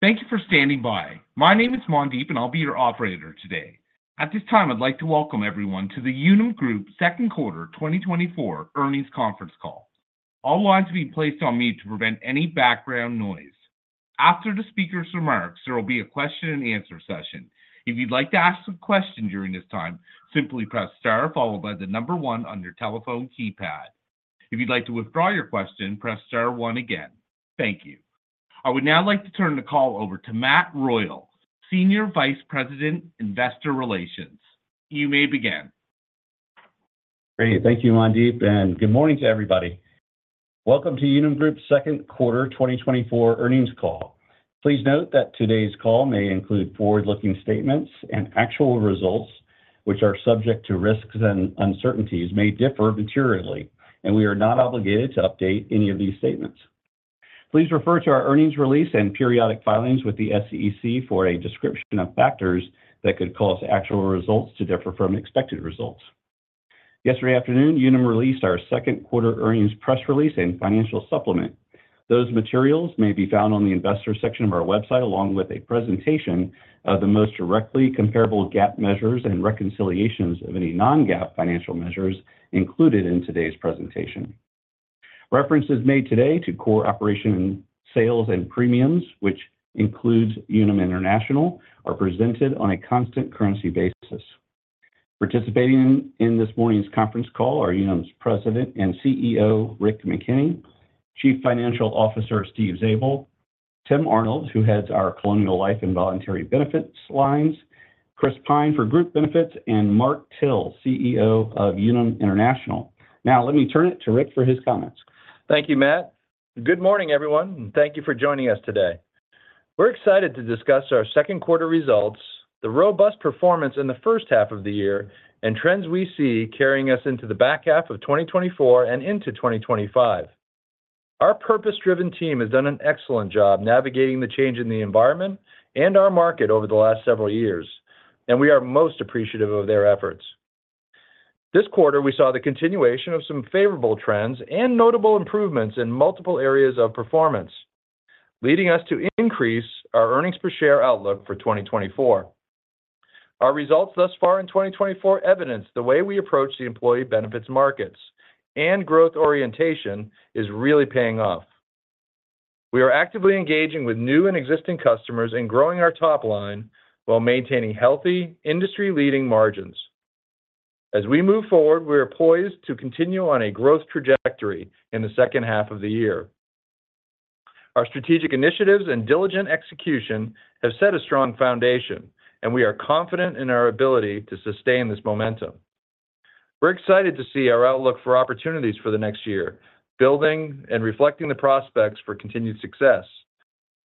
Thank you for standing by. My name is Mandeep, and I'll be your Operator today. At this time, I'd like to welcome everyone to the Unum Group second quarter 2024 earnings conference call. All lines will be placed on mute to prevent any background noise. After the speaker's remarks, there will be a Q&A session. If you'd like to ask a question during this time, simply press star followed by the number one on your telephone keypad. If you'd like to withdraw your question, press star one again. Thank you. I would now like to turn the call over to Matt Royal, Senior Vice President, Investor Relations. You may begin. Great. Thank you, Mandeep, and good morning to everybody. Welcome to Unum Group's second quarter 2024 earnings call. Please note that today's call may include forward-looking statements and actual results, which are subject to risks and uncertainties, may differ materially, and we are not obligated to update any of these statements. Please refer to our earnings release and periodic filings with the SEC for a description of factors that could cause actual results to differ from expected results. Yesterday afternoon, Unum released our second quarter earnings press release and financial supplement. Those materials may be found on the investor section of our website, along with a presentation of the most directly comparable GAAP measures and reconciliations of any non-GAAP financial measures included in today's presentation. References made today to core operation, sales, and premiums, which includes Unum International, are presented on a constant currency basis. Participating in this morning's conference call are Unum's President and CEO, Rick McKenney, Chief Financial Officer, Steve Zabel, Tim Arnold, who heads our Colonial Life and Voluntary Benefits lines, Chris Pyne for Group Benefits, and Mark Till, CEO of Unum International. Now, let me turn it to Rick for his comments. Thank you, Matt. Good morning, everyone, and thank you for joining us today. We're excited to discuss our second quarter results, the robust performance in the first half of the year, and trends we see carrying us into the back half of 2024 and into 2025. Our purpose-driven team has done an excellent job navigating the change in the environment and our market over the last several years, and we are most appreciative of their efforts. This quarter, we saw the continuation of some favorable trends and notable improvements in multiple areas of performance, leading us to increase our earnings per share outlook for 2024. Our results thus far in 2024 evidence, the way we approach the employee benefits markets and growth orientation is really paying off. We are actively engaging with new and existing customers and growing our top line while maintaining healthy, industry-leading margins. As we move forward, we are poised to continue on a growth trajectory in the second half of the year. Our strategic initiatives and diligent execution have set a strong foundation, and we are confident in our ability to sustain this momentum. We're excited to see our outlook for opportunities for the next year, building and reflecting the prospects for continued success.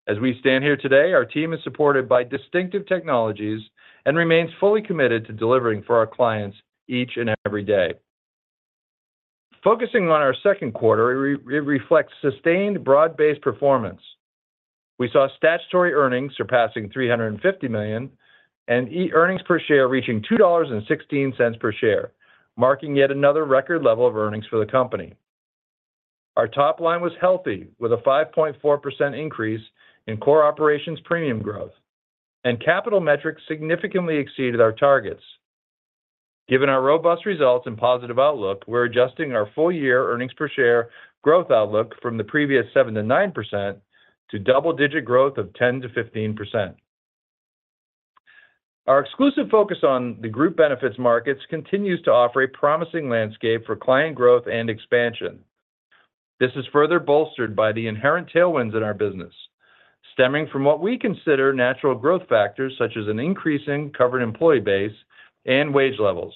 As we stand here today, our team is supported by distinctive technologies and remains fully committed to delivering for our clients each and every day. Focusing on our second quarter, it reflects sustained, broad-based performance. We saw statutory earnings surpassing $350 million, and earnings per share reaching $2.16 per share, marking yet another record level of earnings for the company. Our top line was healthy, with a 5.4% increase in core operations premium growth, and capital metrics significantly exceeded our targets. Given our robust results and positive outlook, we're adjusting our full-year earnings per share growth outlook from the previous 7%-9% to double-digit growth of 10%-15%. Our exclusive focus on the group benefits markets continues to offer a promising landscape for client growth and expansion. This is further bolstered by the inherent tailwinds in our business, stemming from what we consider natural growth factors, such as an increasing covered employee base and wage levels.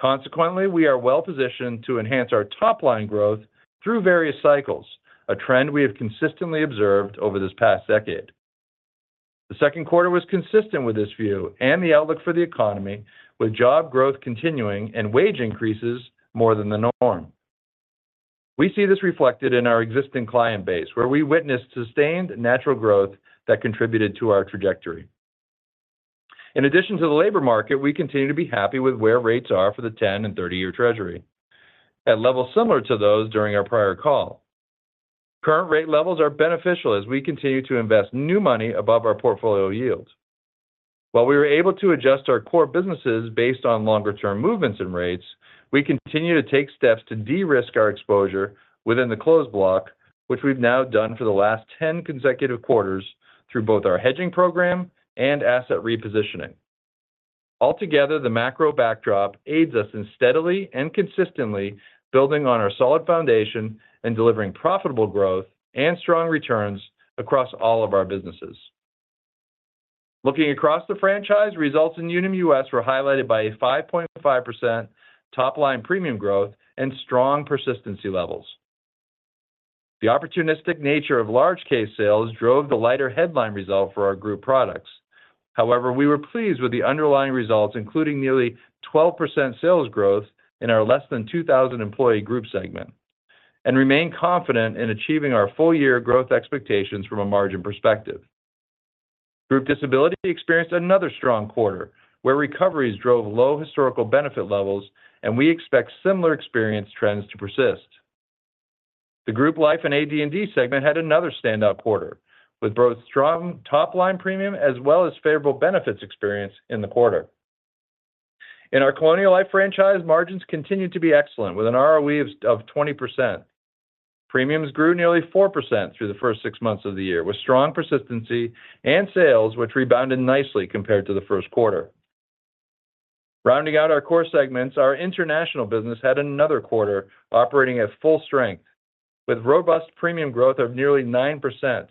Consequently, we are well positioned to enhance our top-line growth through various cycles, a trend we have consistently observed over this past decade. The second quarter was consistent with this view and the outlook for the economy, with job growth continuing and wage increases more than the norm. We see this reflected in our existing client base, where we witnessed sustained natural growth that contributed to our trajectory. In addition to the labor market, we continue to be happy with where rates are for the 10-year and 30-year Treasury. At levels similar to those during our prior call. Current rate levels are beneficial as we continue to invest new money above our portfolio yields. While we were able to adjust our core businesses based on longer-term movements and rates, we continue to take steps to de-risk our exposure within the closed block, which we've now done for the last 10 consecutive quarters through both our hedging program and asset repositioning. Altogether, the macro backdrop aids us in steadily and consistently building on our solid foundation and delivering profitable growth and strong returns across all of our businesses. Looking across the franchise, results in Unum US were highlighted by a 5.5% top-line premium growth and strong persistency levels. The opportunistic nature of large case sales drove the lighter headline result for our group products. However, we were pleased with the underlying results, including nearly 12% sales growth in our less than 2,000 employee group segment, and remain confident in achieving our full-year growth expectations from a margin perspective. Group Disability experienced another strong quarter, where recoveries drove low historical benefit levels, and we expect similar experience trends to persist. The Group Life and AD&D segment had another standout quarter, with both strong top-line premium as well as favorable benefits experience in the quarter. In our Colonial Life franchise, margins continued to be excellent, with an ROE of 20%. Premiums grew nearly 4% through the first six months of the year, with strong persistency and sales, which rebounded nicely compared to the first quarter. Rounding out our core segments, our international business had another quarter operating at full strength, with robust premium growth of nearly 9%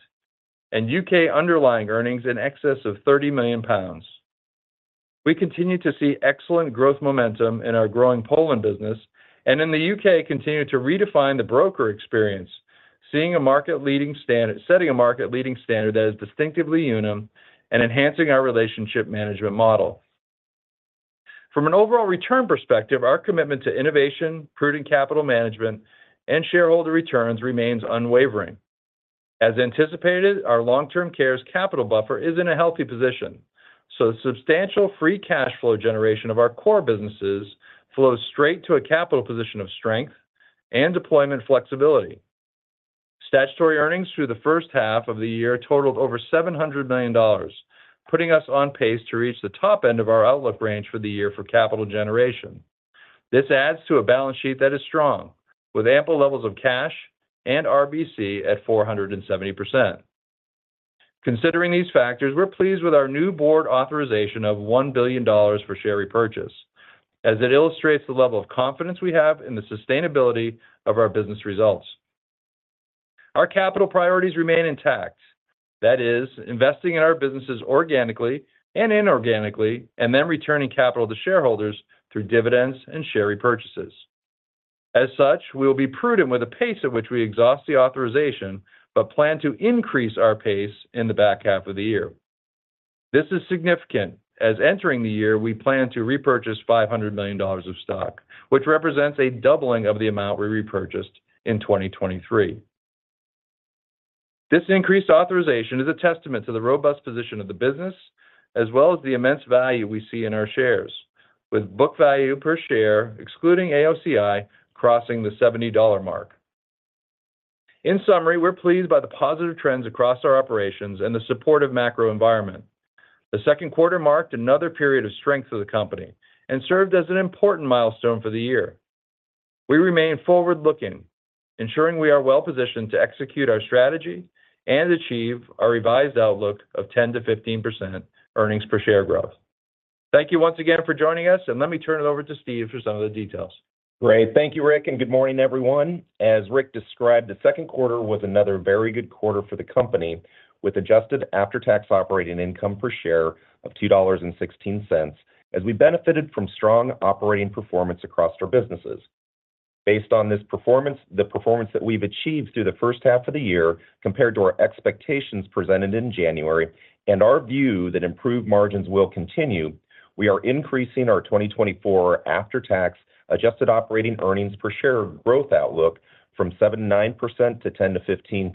and UK underlying earnings in excess of 30 million pounds. We continue to see excellent growth momentum in our growing Poland business, and in the UK, continue to redefine the broker experience, seeing a market-leading standard, setting a market-leading standard that is distinctively Unum and enhancing our relationship management model. From an overall return perspective, our commitment to innovation, prudent capital management, and shareholder returns remains unwavering. As anticipated, our long-term care's capital buffer is in a healthy position, so the substantial free cash flow generation of our core businesses flows straight to a capital position of strength and deployment flexibility. Statutory earnings through the first half of the year totaled over $700 million, putting us on pace to reach the top end of our outlook range for the year for capital generation. This adds to a balance sheet that is strong, with ample levels of cash and RBC at 470%. Considering these factors, we're pleased with our new board authorization of $1 billion for share repurchase, as it illustrates the level of confidence we have in the sustainability of our business results. Our capital priorities remain intact. That is, investing in our businesses organically and inorganically, and then returning capital to shareholders through dividends and share repurchases. As such, we will be prudent with the pace at which we exhaust the authorization, but plan to increase our pace in the back half of the year. This is significant, as entering the year, we plan to repurchase $500 million of stock, which represents a doubling of the amount we repurchased in 2023. This increased authorization is a testament to the robust position of the business, as well as the immense value we see in our shares, with book value per share, excluding AOCI, crossing the $70 mark. In summary, we're pleased by the positive trends across our operations and the supportive macro environment. The second quarter marked another period of strength for the company and served as an important milestone for the year. We remain forward-looking, ensuring we are well positioned to execute our strategy and achieve our revised outlook of 10%-15% earnings per share growth. Thank you once again for joining us, and let me turn it over to Steve for some of the details. Great. Thank you, Rick, and good morning, everyone. As Rick described, the second quarter was another very good quarter for the company, with adjusted after-tax operating income per share of $2.16, as we benefited from strong operating performance across our businesses. Based on this performance, the performance that we've achieved through the first half of the year compared to our expectations presented in January and our view that improved margins will continue, we are increasing our 2024 after-tax adjusted operating earnings per share growth outlook from 7%-9% to 10%-15%.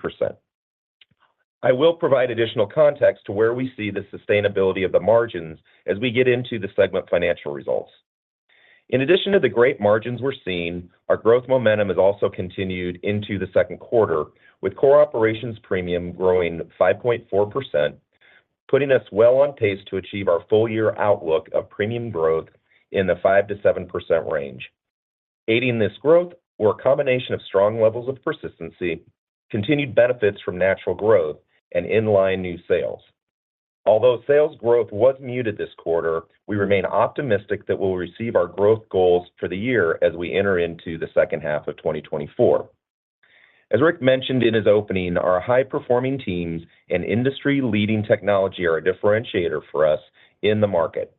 I will provide additional context to where we see the sustainability of the margins as we get into the segment financial results. In addition to the great margins we're seeing, our growth momentum has also continued into the second quarter, with core operations premium growing 5.4%, putting us well on pace to achieve our full-year outlook of premium growth in the 5%-7% range. Aiding this growth were a combination of strong levels of persistency, continued benefits from natural growth, and in-line new sales. Although sales growth was muted this quarter, we remain optimistic that we'll receive our growth goals for the year as we enter into the second half of 2024. As Rick mentioned in his opening, our high-performing teams and industry-leading technology are a differentiator for us in the market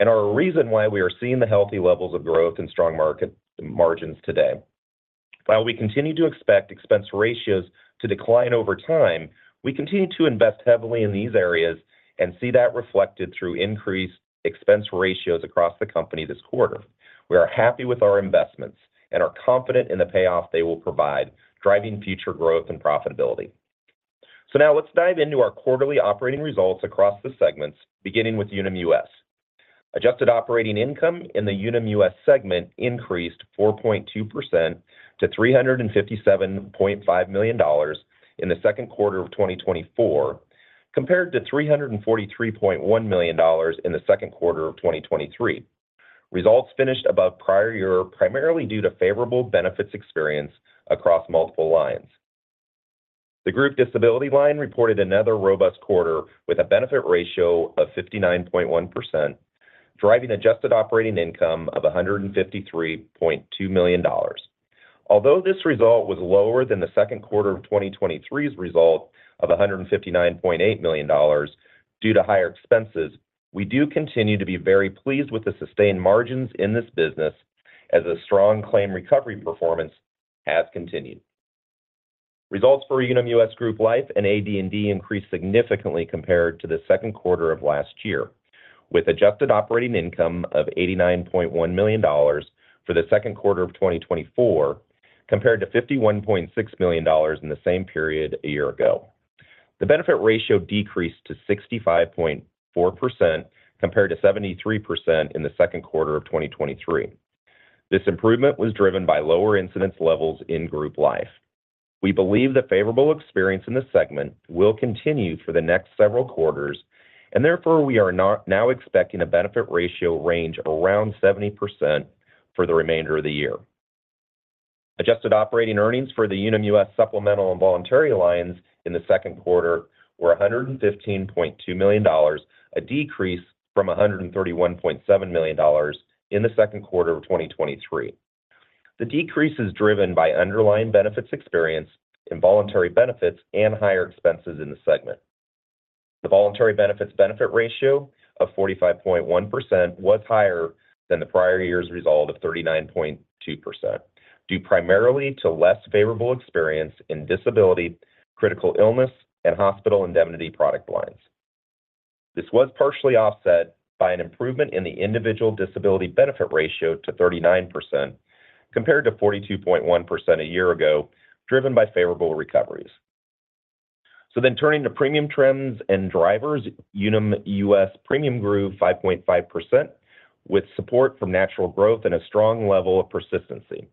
and are a reason why we are seeing the healthy levels of growth and strong market margins today. While we continue to expect expense ratios to decline over time, we continue to invest heavily in these areas and see that reflected through increased expense ratios across the company this quarter. We are happy with our investments and are confident in the payoff they will provide, driving future growth and profitability. Now let's dive into our quarterly operating results across the segments, beginning with Unum US. Adjusted Operating Income in the Unum US segment increased 4.2% to $357.5 million in the second quarter of 2024, compared to $343.1 million in the second quarter of 2023. Results finished above prior year, primarily due to favorable benefits experience across multiple lines. The Group Disability line reported another robust quarter with a benefit ratio of 59.1%, driving adjusted operating income of $153.2 million. Although this result was lower than the second quarter of 2023's result of $159.8 million due to higher expenses, we do continue to be very pleased with the sustained margins in this business as a strong claim recovery performance has continued. Results for Unum US Group Life and AD&D increased significantly compared to the second quarter of last year.... With adjusted operating income of $89.1 million for the second quarter of 2024, compared to $51.6 million in the same period a year ago. The benefit ratio decreased to 65.4%, compared to 73% in the second quarter of 2023. This improvement was driven by lower incidence levels in group life. We believe the favorable experience in this segment will continue for the next several quarters, and therefore, we are now expecting a benefit ratio range of around 70% for the remainder of the year. Adjusted operating earnings for the Unum US supplemental and voluntary lines in the second quarter were $115.2 million, a decrease from $131.7 million in the second quarter of 2023. The decrease is driven by underlying benefits experience in voluntary benefits and higher expenses in the segment. The voluntary benefits benefit ratio of 45.1% was higher than the prior year's result of 39.2%, due primarily to less favorable experience in disability, critical illness, and hospital indemnity product lines. This was partially offset by an improvement in the individual disability benefit ratio to 39%, compared to 42.1% a year ago, driven by favorable recoveries. So then turning to premium trends and drivers, Unum US premium grew 5.5%, with support from natural growth and a strong level of persistency.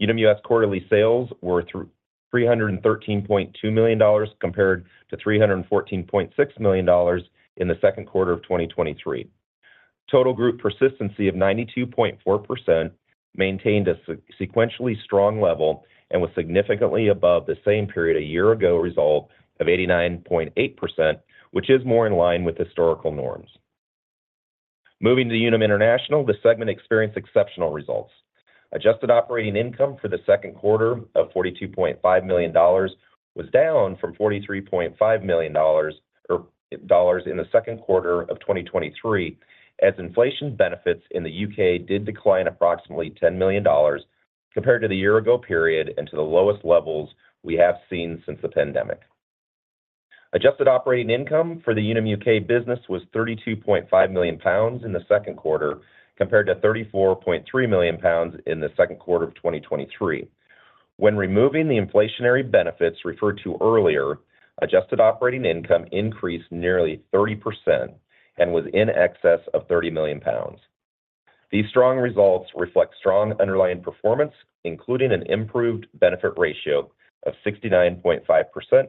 Unum US quarterly sales were $313.2 million, compared to $314.6 million in the second quarter of 2023. Total group persistency of 92.4% maintained a sequentially strong level and was significantly above the same period a year ago, result of 89.8%, which is more in line with historical norms. Moving to Unum International, the segment experienced exceptional results. Adjusted operating income for the second quarter of $42.5 million was down from $43.5 million in the second quarter of 2023, as inflation benefits in the UK did decline approximately $10 million compared to the year ago period and to the lowest levels we have seen since the pandemic. Adjusted operating income for the Unum UK business was 32.5 million pounds in the second quarter, compared to 34.3 million pounds in the second quarter of 2023. When removing the inflationary benefits referred to earlier, adjusted operating income increased nearly 30% and was in excess of 30 million pounds. These strong results reflect strong underlying performance, including an improved benefit ratio of 69.5%,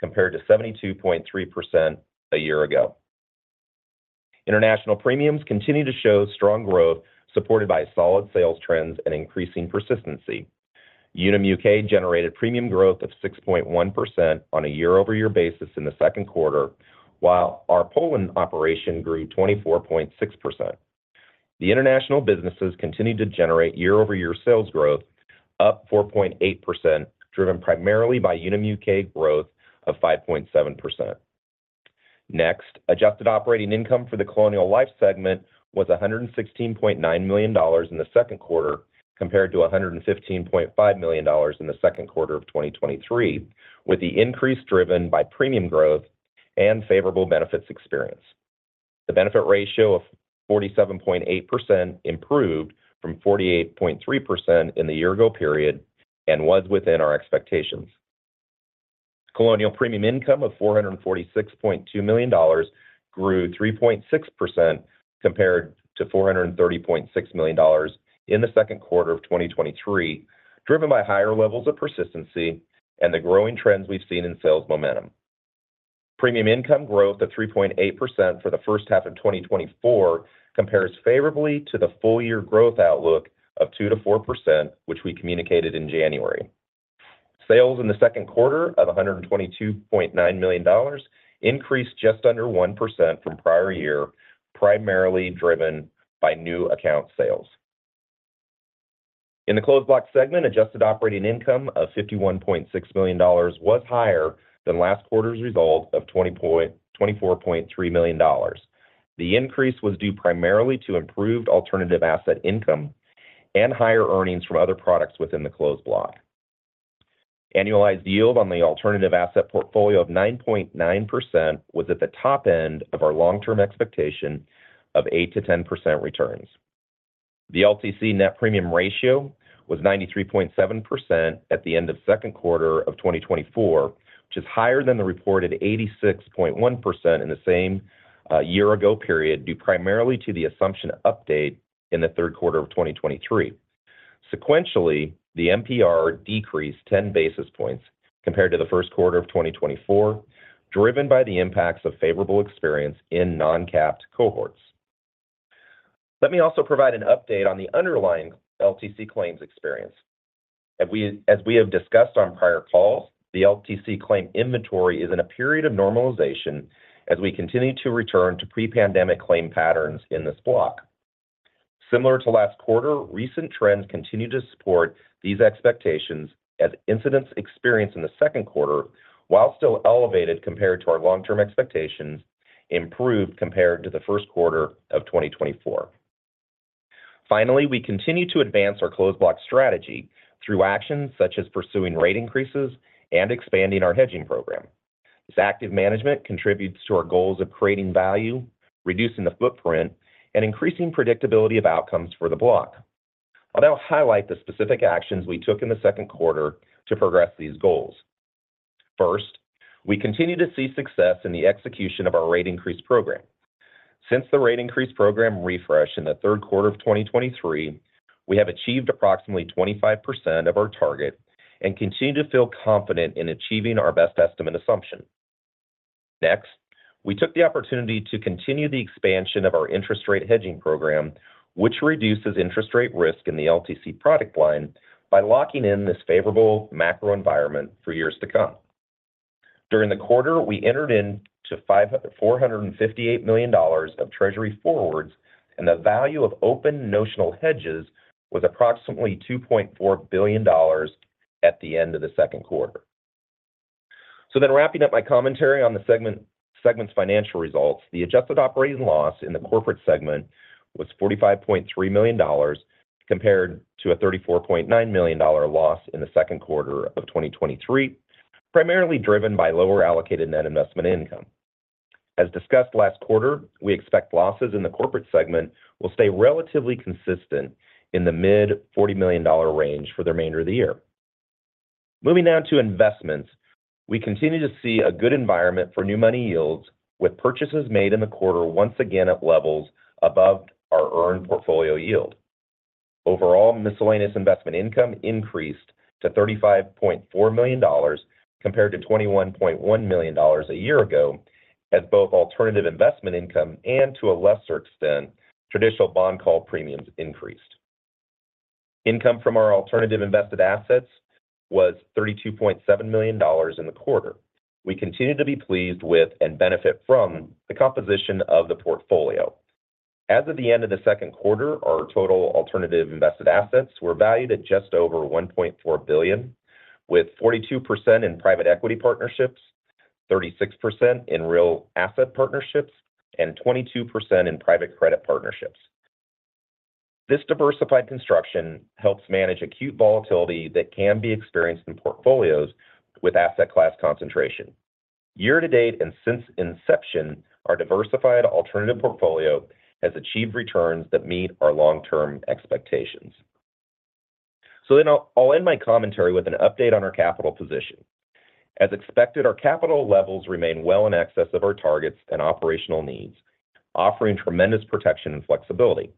compared to 72.3% a year ago. International premiums continue to show strong growth, supported by solid sales trends and increasing persistency. Unum UK generated premium growth of 6.1% on a year-over-year basis in the second quarter, while our Poland operation grew 24.6%. The international businesses continued to generate year-over-year sales growth up 4.8%, driven primarily by Unum UK growth of 5.7%. Next, adjusted operating income for the Colonial Life segment was $116.9 million in the second quarter, compared to $115.5 million in the second quarter of 2023, with the increase driven by premium growth and favorable benefits experience. The benefit ratio of 47.8% improved from 48.3% in the year ago period and was within our expectations. Colonial premium income of $446.2 million grew 3.6% compared to $430.6 million in the second quarter of 2023, driven by higher levels of persistency and the growing trends we've seen in sales momentum. Premium income growth of 3.8% for the first half of 2024 compares favorably to the full year growth outlook of 2%-4%, which we communicated in January. Sales in the second quarter of $122.9 million increased just under 1% from prior year, primarily driven by new account sales. In the closed block segment, adjusted operating income of $51.6 million was higher than last quarter's result of $24.3 million. The increase was due primarily to improved alternative asset income and higher earnings from other products within the closed block. Annualized yield on the alternative asset portfolio of 9.9% was at the top end of our long-term expectation of 8%-10% returns. The LTC net premium ratio was 93.7% at the end of second quarter of 2024, which is higher than the reported 86.1% in the same, year-ago period, due primarily to the assumption update in the third quarter of 2023. Sequentially, the NPR decreased 10 basis points compared to the first quarter of 2024, driven by the impacts of favorable experience in non-capped cohorts. Let me also provide an update on the underlying LTC claims experience. As we have discussed on prior calls, the LTC claim inventory is in a period of normalization as we continue to return to pre-pandemic claim patterns in this block. Similar to last quarter, recent trends continue to support these expectations, as incidence experienced in the second quarter, while still elevated compared to our long-term expectations, improved compared to the first quarter of 2024. Finally, we continue to advance our closed block strategy through actions such as pursuing rate increases and expanding our hedging program. This active management contributes to our goals of creating value, reducing the footprint, and increasing predictability of outcomes for the block. I'll now highlight the specific actions we took in the second quarter to progress these goals. First, we continue to see success in the execution of our rate increase program. Since the rate increase program refresh in the third quarter of 2023, we have achieved approximately 25% of our target and continue to feel confident in achieving our best estimate assumption. Next, we took the opportunity to continue the expansion of our interest rate hedging program, which reduces interest rate risk in the LTC product line by locking in this favorable macro environment for years to come. During the quarter, we entered into $458 million of treasury forwards, and the value of open notional hedges was approximately $2.4 billion at the end of the second quarter. So then wrapping up my commentary on the segment, segment's financial results, the adjusted operating loss in the corporate segment was $45.3 million, compared to a $34.9 million dollar loss in the second quarter of 2023, primarily driven by lower allocated net investment income. As discussed last quarter, we expect losses in the corporate segment will stay relatively consistent in the mid $40 million range for the remainder of the year. Moving now to investments. We continue to see a good environment for new money yields, with purchases made in the quarter once again at levels above our earned portfolio yield. Overall, miscellaneous investment income increased to $35.4 million, compared to $21.1 million a year ago, as both alternative investment income and, to a lesser extent, traditional bond call premiums increased. Income from our alternative invested assets was $32.7 million in the quarter. We continue to be pleased with and benefit from the composition of the portfolio. As of the end of the second quarter, our total alternative invested assets were valued at just over $1.4 billion, with 42% in private equity partnerships, 36% in real asset partnerships, and 22% in private credit partnerships. This diversified construction helps manage acute volatility that can be experienced in portfolios with asset class concentration. Year to date and since inception, our diversified alternative portfolio has achieved returns that meet our long-term expectations. So then I'll, I'll end my commentary with an update on our capital position. As expected, our capital levels remain well in excess of our targets and operational needs, offering tremendous protection and flexibility.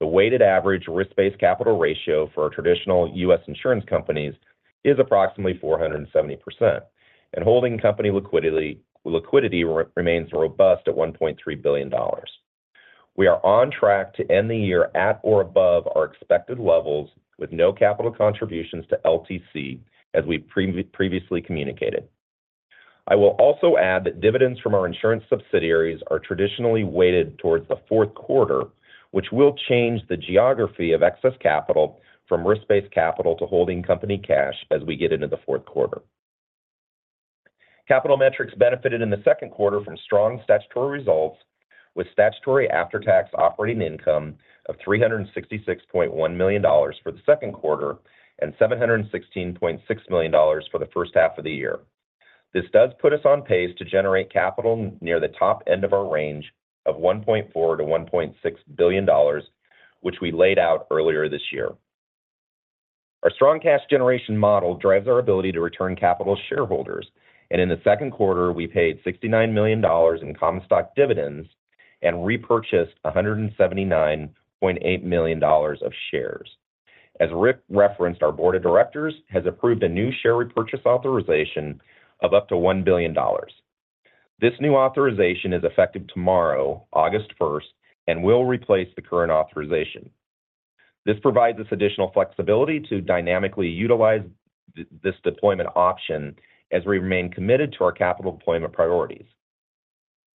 The weighted average risk-based capital ratio for our traditional US insurance companies is approximately 470%, and holding company liquidity remains robust at $1.3 billion. We are on track to end the year at or above our expected levels with no capital contributions to LTC, as we previously communicated. I will also add that dividends from our insurance subsidiaries are traditionally weighted towards the fourth quarter, which will change the geography of excess capital from risk-based capital to holding company cash as we get into the fourth quarter. Capital metrics benefited in the second quarter from strong statutory results, with statutory after-tax operating income of $366.1 million for the second quarter and $716.6 million for the first half of the year. This does put us on pace to generate capital near the top end of our range of $1.4 billion-$1.6 billion, which we laid out earlier this year. Our strong cash generation model drives our ability to return capital to shareholders, and in the second quarter, we paid $69 million in common stock dividends and repurchased $179.8 million of shares. As Rick referenced, our board of directors has approved a new share repurchase authorization of up to $1 billion. This new authorization is effective tomorrow, August 1st, and will replace the current authorization. This provides us additional flexibility to dynamically utilize this deployment option as we remain committed to our capital deployment priorities.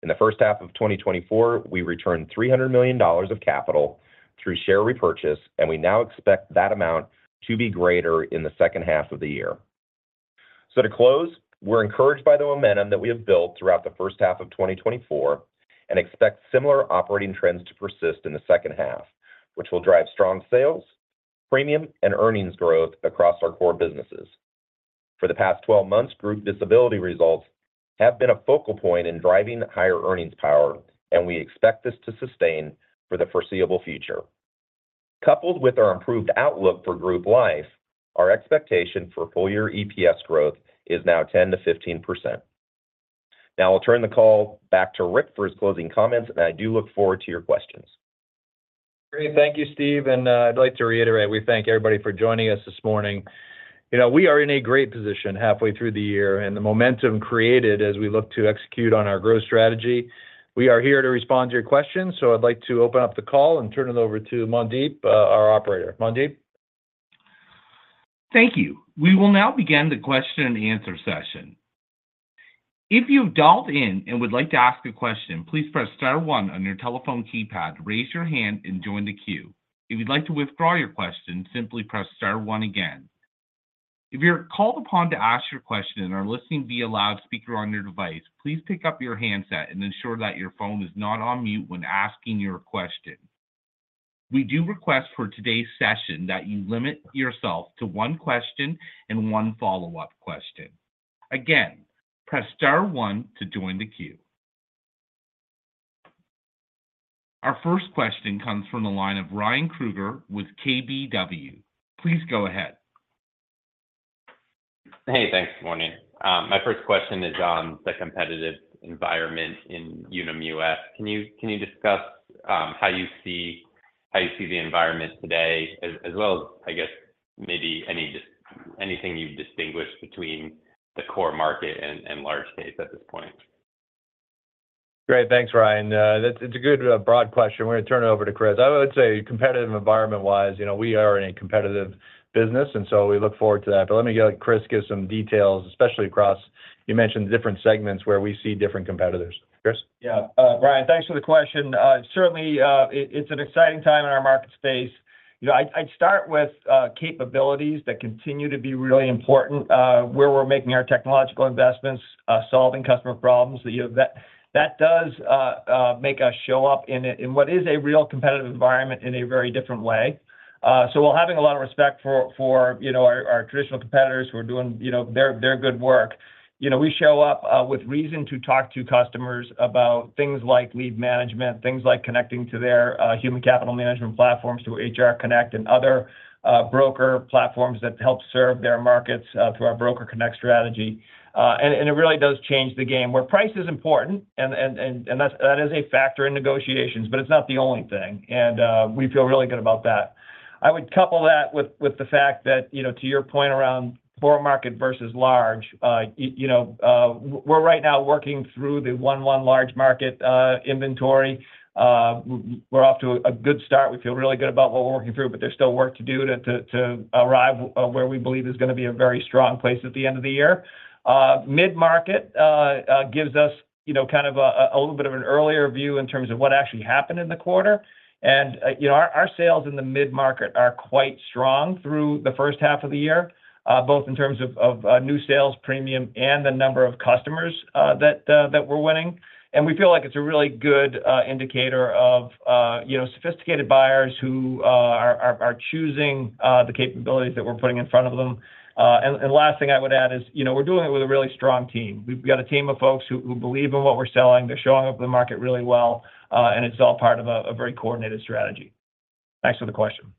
In the first half of 2024, we returned $300 million of capital through share repurchase, and we now expect that amount to be greater in the second half of the year. So to close, we're encouraged by the momentum that we have built throughout the first half of 2024 and expect similar operating trends to persist in the second half, which will drive strong sales, premium, and earnings growth across our core businesses. For the past 12 months, Group Disability results have been a focal point in driving higher earnings power, and we expect this to sustain for the foreseeable future. Coupled with our improved outlook for Group Life, our expectation for full year EPS growth is now 10%-15%. Now I'll turn the call back to Rick for his closing comments, and I do look forward to your questions. Great. Thank you, Steve, and I'd like to reiterate, we thank everybody for joining us this morning. You know, we are in a great position halfway through the year, and the momentum created as we look to execute on our growth strategy. We are here to respond to your questions, so I'd like to open up the call and turn it over to Mandeep, our operator. Mandeep? Thank you. We will now begin the Q&A session. If you've dialed in and would like to ask a question, please press star one on your telephone keypad to raise your hand and join the queue. If you'd like to withdraw your question, simply press star one again.... If you're called upon to ask your question and are listening via loudspeaker on your device, please pick up your handset and ensure that your phone is not on mute when asking your question. We do request for today's session that you limit yourself to one question and one follow-up question. Again, press star one to join the queue. Our first question comes from the line of Ryan Kruger with KBW. Please go ahead. Hey, thanks. Morning. My first question is on the competitive environment in Unum US. Can you discuss how you see the environment today as well as, I guess, maybe anything you've distinguished between the core market and Large Case at this point? Great. Thanks, Ryan. That's a good, broad question. We're gonna turn it over to Chris. I would say competitive environment-wise, you know, we are in a competitive business, and so we look forward to that. But let me let Chris give some details, especially across, you mentioned the different segments where we see different competitors. Chris? Yeah. Ryan, thanks for the question. Certainly, it's an exciting time in our market space. You know, I'd start with capabilities that continue to be really important, where we're making our technological investments, solving customer problems. You know, that does make us show up in what is a real competitive environment in a very different way. So while having a lot of respect for, you know, our traditional competitors who are doing, you know, their good work, you know, we show up with reason to talk to customers about things like leave management, things like connecting to their human capital management platforms, through HR Connect and other broker platforms that help serve their markets, through our Broker Connect strategy. And it really does change the game, where price is important, and that's—that is a factor in negotiations, but it's not the only thing, and we feel really good about that. I would couple that with the fact that, you know, to your point around core market versus large, you know, we're right now working through the one large market inventory. We're off to a good start. We feel really good about what we're working through, but there's still work to do to arrive where we believe is gonna be a very strong place at the end of the year. Mid-market gives us, you know, kind of a little bit of an earlier view in terms of what actually happened in the quarter. You know, our sales in the mid-market are quite strong through the first half of the year, both in terms of new sales premium and the number of customers that we're winning. We feel like it's a really good indicator of, you know, sophisticated buyers who are choosing the capabilities that we're putting in front of them. Last thing I would add is, you know, we're doing it with a really strong team. We've got a team of folks who believe in what we're selling. They're showing up the market really well, and it's all part of a very coordinated strategy. Thanks for the question.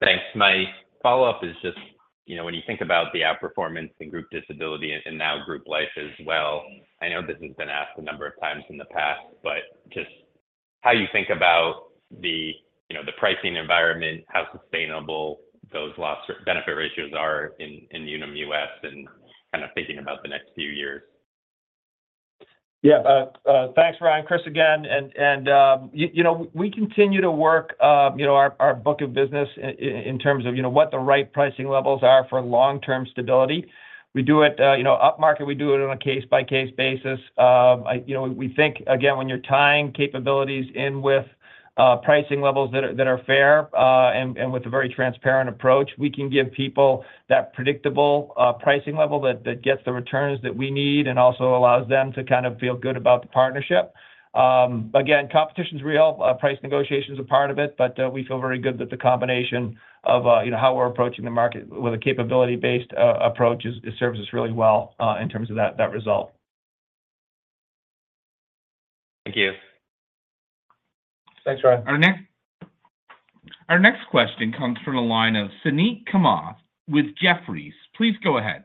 Thanks. My follow-up is just, you know, when you think about the outperformance in Group Disability and now Group Life as well, I know this has been asked a number of times in the past, but just how you think about the, you know, the pricing environment, how sustainable those benefit ratios are in, in Unum US, and kind of thinking about the next few years? Yeah. Thanks, Ryan. Chris, again, and you know, we continue to work, you know, our book of business in terms of, you know, what the right pricing levels are for long-term stability. We do it, you know, upmarket, we do it on a case-by-case basis. I, you know, we think, again, when you're tying capabilities in with pricing levels that are fair and with a very transparent approach, we can give people that predictable pricing level that gets the returns that we need, and also allows them to kind of feel good about the partnership. Again, competition's real. Price negotiation is a part of it, but we feel very good that the combination of, you know, how we're approaching the market with a capability-based approach is, it serves us really well in terms of that, that result. Thank you. Thanks, Ryan. Our next question comes from the line of Suneet Kamath with Jefferies. Please go ahead.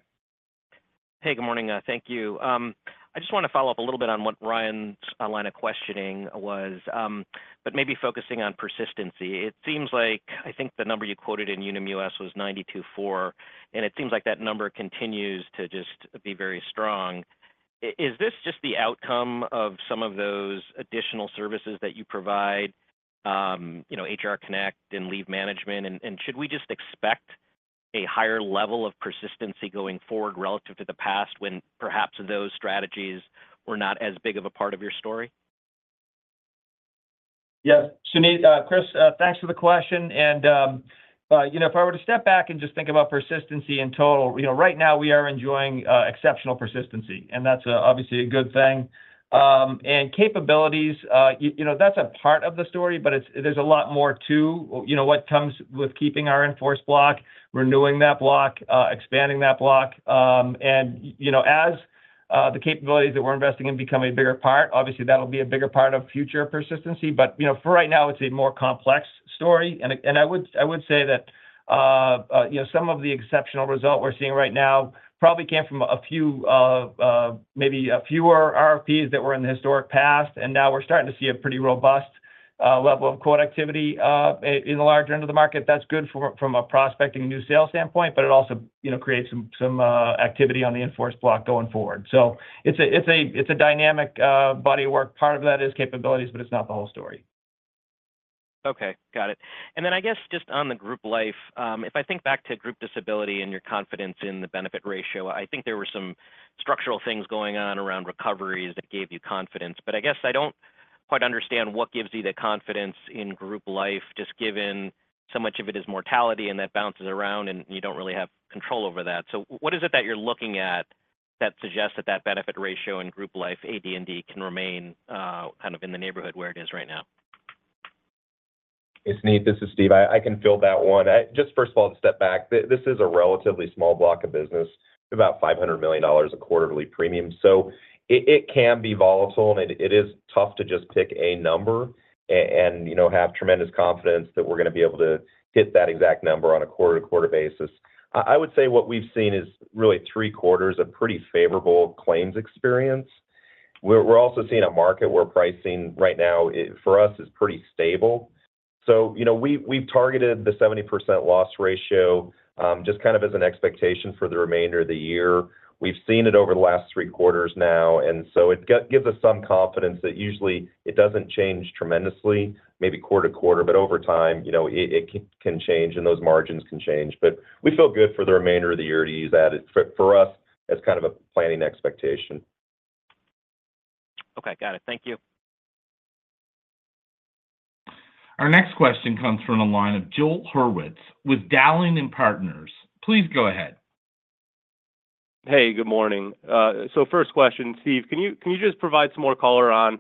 Hey, good morning. Thank you. I just want to follow up a little bit on what Ryan's line of questioning was, but maybe focusing on persistency. It seems like, I think the number you quoted in Unum US was 92.4%, and it seems like that number continues to just be very strong. Is this just the outcome of some of those additional services that you provide, you know, HR Connect and Leave Management? And should we just expect a higher level of persistency going forward relative to the past, when perhaps those strategies were not as big of a part of your story? Yeah. Suneet, Chris, thanks for the question. You know, if I were to step back and just think about persistency in total, you know, right now we are enjoying exceptional persistency, and that's obviously a good thing. Capabilities, you know, that's a part of the story, but it's, there's a lot more to, you know, what comes with keeping our in-force block, renewing that block, expanding that block. You know, as the capabilities that we're investing in become a bigger part, obviously, that'll be a bigger part of future persistency. You know, for right now, it's a more complex story. I would say that, you know, some of the exceptional result we're seeing right now probably came from a few, maybe a fewer RFPs that were in the historic past, and now we're starting to see a pretty robust level of quote activity in the larger end of the market. That's good from a prospecting new sales standpoint, but it also, you know, creates some activity on the in-force block going forward. So it's a dynamic body of work. Part of that is capabilities, but it's not the whole story. Okay, got it. I guess just on the group life, if I think back to group disability and your confidence in the benefit ratio, I think there were some structural things going on around recoveries that gave you confidence. But I guess I don't- ...quite understand what gives you the confidence in group life, just given so much of it is mortality, and that bounces around, and you don't really have control over that. So what is it that you're looking at that suggests that that benefit ratio in group life, AD&D, can remain, kind of in the neighborhood where it is right now? Suneet, this is Steve. I can fill that one. Just first of all, to step back, this is a relatively small block of business, about $500 million of quarterly premium. So it can be volatile, and it is tough to just pick a number and, you know, have tremendous confidence that we're going to be able to hit that exact number on a quarter-to-quarter basis. I would say what we've seen is really three quarters of pretty favorable claims experience. We're also seeing a market where pricing right now, for us, is pretty stable. So, you know, we've targeted the 70% loss ratio, just kind of as an expectation for the remainder of the year. We've seen it over the last three quarters now, and so it gives us some confidence that usually it doesn't change tremendously, maybe quarter to quarter, but over time, you know, it, it can change, and those margins can change. But we feel good for the remainder of the year to use that as, for, for us, as kind of a planning expectation. Okay, got it. Thank you. Our next question comes from the line of Joel Hurwitz with Dowling & Partners. Please go ahead. Hey, good morning. So first question, Steve, can you just provide some more color on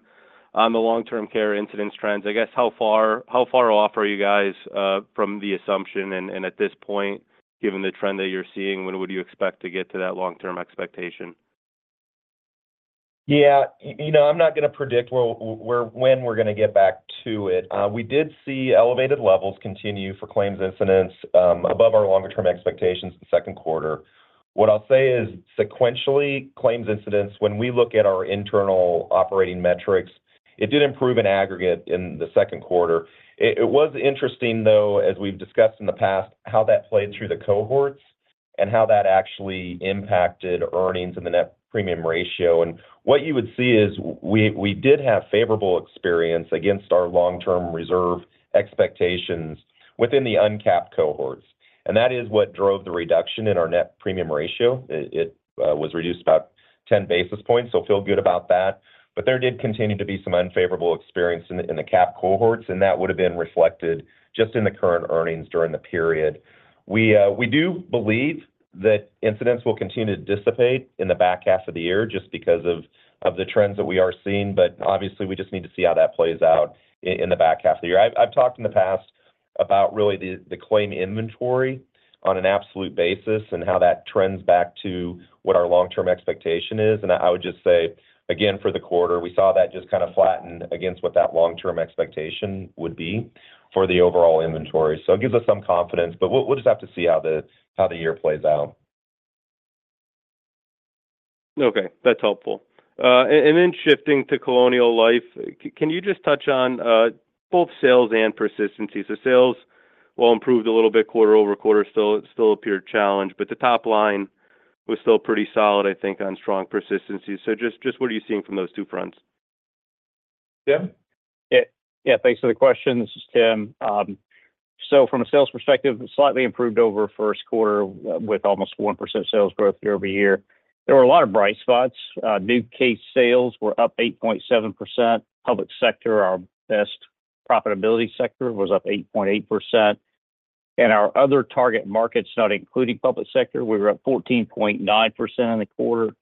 the long-term care incidence trends? I guess, how far off are you guys from the assumption? And at this point, given the trend that you're seeing, when would you expect to get to that long-term expectation? Yeah, you know, I'm not going to predict when we're going to get back to it. We did see elevated levels continue for claims incidence above our longer term expectations in the second quarter. What I'll say is, sequentially, claims incidence, when we look at our internal operating metrics, it did improve in aggregate in the second quarter. It was interesting, though, as we've discussed in the past, how that played through the cohorts and how that actually impacted earnings in the net premium ratio. And what you would see is we did have favorable experience against our long-term reserve expectations within the uncapped cohorts, and that is what drove the reduction in our net premium ratio. It was reduced about 10 basis points, so feel good about that. But there did continue to be some unfavorable experience in the, in the capped cohorts, and that would have been reflected just in the current earnings during the period. We, we do believe that incidence will continue to dissipate in the back half of the year just because of, of the trends that we are seeing, but obviously, we just need to see how that plays out in the back half of the year. I've, I've talked in the past about really the, the claim inventory on an absolute basis and how that trends back to what our long-term expectation is. And I would just say, again, for the quarter, we saw that just kind of flattened against what that long-term expectation would be for the overall inventory. So it gives us some confidence, but we'll, we'll just have to see how the, how the year plays out. Okay, that's helpful. And then shifting to Colonial Life, can you just touch on both sales and persistency? So sales, while improved a little bit quarter-over-quarter, still appeared challenged, but the top line was still pretty solid, I think, on strong persistency. So just what are you seeing from those two fronts? Tim? Yeah. Yeah, thanks for the question. This is Tim. So from a sales perspective, slightly improved over first quarter with almost 1% sales growth year-over-year. There were a lot of bright spots. New case sales were up 8.7%. Public sector, our best profitability sector, was up 8.8%. And our other target markets, not including public sector, we were up 14.9% in the quarter.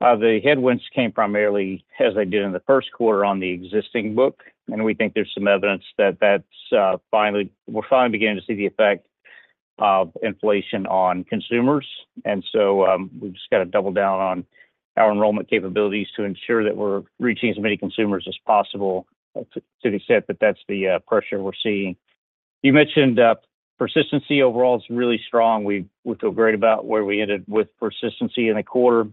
The headwinds came primarily, as they did in the first quarter, on the existing book, and we think there's some evidence that that's finally... We're finally beginning to see the effect of inflation on consumers, and so, we've just got to double down on our enrollment capabilities to ensure that we're reaching as many consumers as possible, to the extent that that's the pressure we're seeing. You mentioned, persistency overall is really strong. We feel great about where we ended with persistency in the quarter.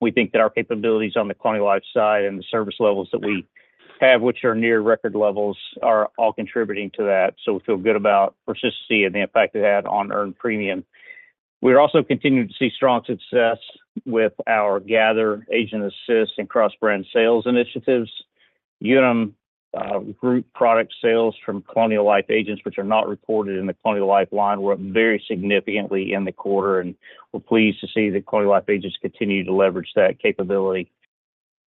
We think that our capabilities on the Colonial Life side and the service levels that we have, which are near record levels, are all contributing to that. So we feel good about persistency and the impact it had on earned premium. We're also continuing to see strong success with our Gathr, Agent Assist, and Cross Brand sales initiatives. Unum group product sales from Colonial Life agents, which are not reported in the Colonial Life line, were up very significantly in the quarter, and we're pleased to see that Colonial Life agents continue to leverage that capability.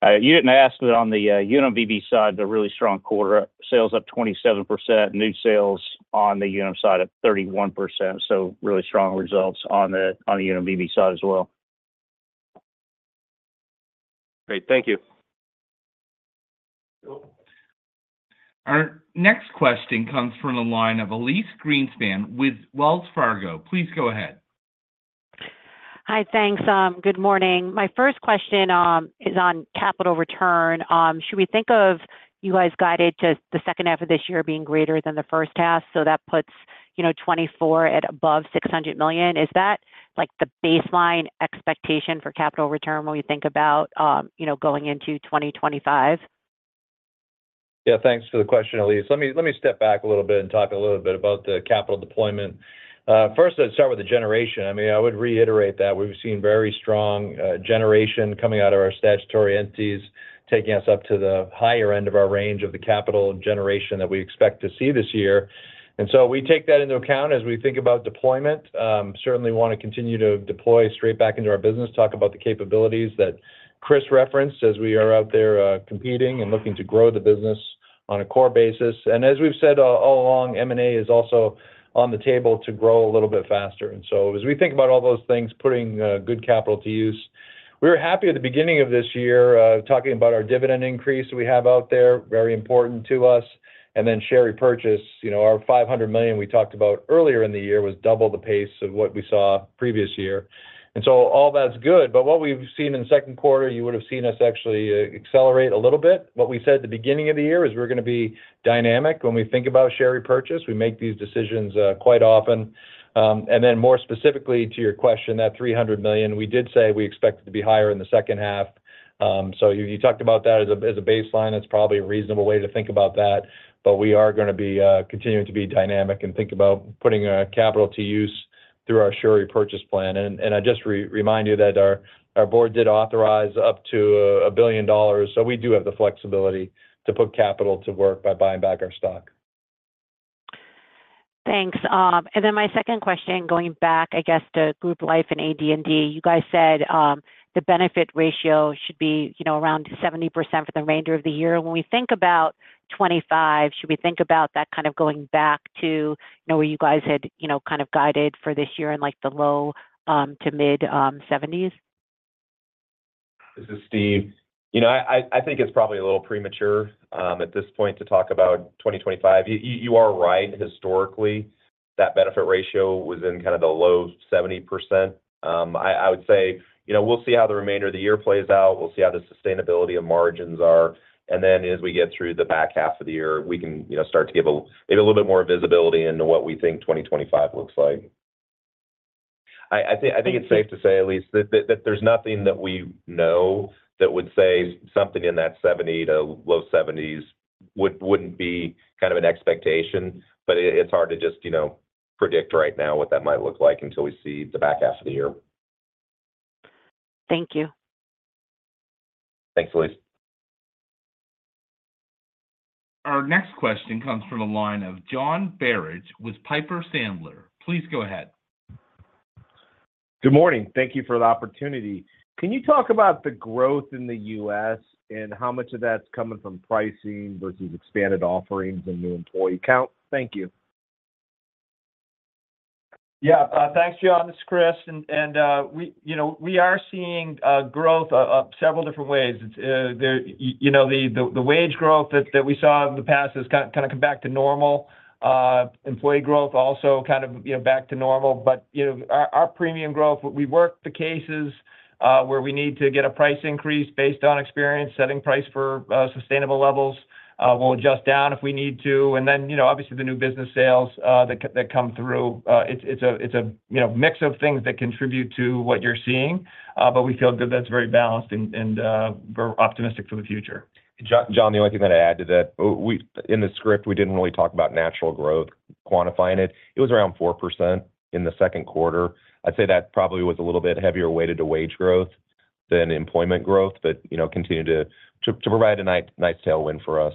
You didn't ask, but on the Unum VB side, a really strong quarter, sales up 27%. New sales on the Unum side up 31%, so really strong results on the Unum VB side as well. Great. Thank you. Our next question comes from the line of Elyse Greenspan with Wells Fargo. Please go ahead. Hi, thanks. Good morning. My first question is on capital return. Should we think of you guys guided to the second half of this year being greater than the first half? So that puts, you know, 2024 at above $600 million. Is that, like, the baseline expectation for capital return when we think about, you know, going into 2025? Yeah, thanks for the question, Elyse. Let me, let me step back a little bit and talk a little bit about the capital deployment. First, let's start with the generation. I mean, I would reiterate that we've seen very strong generation coming out of our statutory entities, taking us up to the higher end of our range of the capital generation that we expect to see this year. And so we take that into account as we think about deployment. Certainly want to continue to deploy straight back into our business, talk about the capabilities that Chris referenced as we are out there, competing and looking to grow the business. ... on a core basis, and as we've said, all along, M&A is also on the table to grow a little bit faster. And so as we think about all those things, putting good capital to use, we were happy at the beginning of this year, talking about our dividend increase we have out there, very important to us, and then share repurchase. You know, our $500 million we talked about earlier in the year was double the pace of what we saw previous year. And so all that's good, but what we've seen in the second quarter, you would have seen us actually accelerate a little bit. What we said at the beginning of the year is we're gonna be dynamic when we think about share repurchase. We make these decisions quite often. And then more specifically to your question, that $300 million, we did say we expected to be higher in the second half. So you talked about that as a baseline. It's probably a reasonable way to think about that, but we are gonna be continuing to be dynamic and think about putting capital to use through our share repurchase plan. And I just remind you that our board did authorize up to $1 billion, so we do have the flexibility to put capital to work by buying back our stock. Thanks. And then my second question, going back, I guess, to group life and AD&D, you guys said, the benefit ratio should be, you know, around 70% for the remainder of the year. When we think about 25, should we think about that kind of going back to, you know, where you guys had, you know, kind of guided for this year in, like, the low to mid 70s? This is Steve. You know, I think it's probably a little premature at this point to talk about 2025. You are right, historically, that benefit ratio was in kind of the low 70%. I would say, you know, we'll see how the remainder of the year plays out. We'll see how the sustainability of margins are, and then as we get through the back half of the year, we can, you know, start to give a maybe a little bit more visibility into what we think 2025 looks like. I think it's safe to say, Elyse, that there's nothing that we know that would say something in that 70 to low 70s wouldn't be kind of an expectation, but it's hard to just, you know, predict right now what that might look like until we see the back half of the year. Thank you. Thanks, Elise. Our next question comes from the line of John Barnidge with Piper Sandler. Please go ahead. Good morning. Thank you for the opportunity. Can you talk about the growth in the US. and how much of that's coming from pricing versus expanded offerings and new employee count? Thank you. Yeah. Thanks, John, this is Chris, and we... You know, we are seeing growth several different ways. You know, the wage growth that we saw in the past has kind of come back to normal. Employee growth also kind of, you know, back to normal, but, you know, our premium growth, we work the cases where we need to get a price increase based on experience, setting price for sustainable levels. We'll adjust down if we need to, and then, you know, obviously, the new business sales that come through. It's a mix of things that contribute to what you're seeing, but we feel good that's very balanced and we're optimistic for the future. John, John, the only thing that I'd add to that, in the script, we didn't really talk about natural growth, quantifying it. It was around 4% in the second quarter. I'd say that probably was a little bit heavier weighted to wage growth than employment growth, but, you know, continued to provide a nice tailwind for us.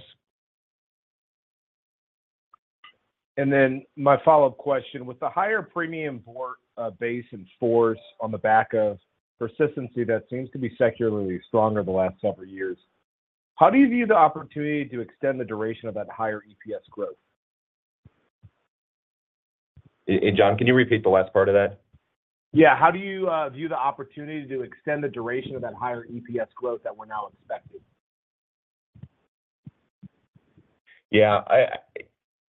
And then my follow-up question: With the higher premium for base and force on the back of persistency, that seems to be secularly stronger the last several years, how do you view the opportunity to extend the duration of that higher EPS growth? John, can you repeat the last part of that? Yeah. How do you view the opportunity to extend the duration of that higher EPS growth that we're now expecting? Yeah,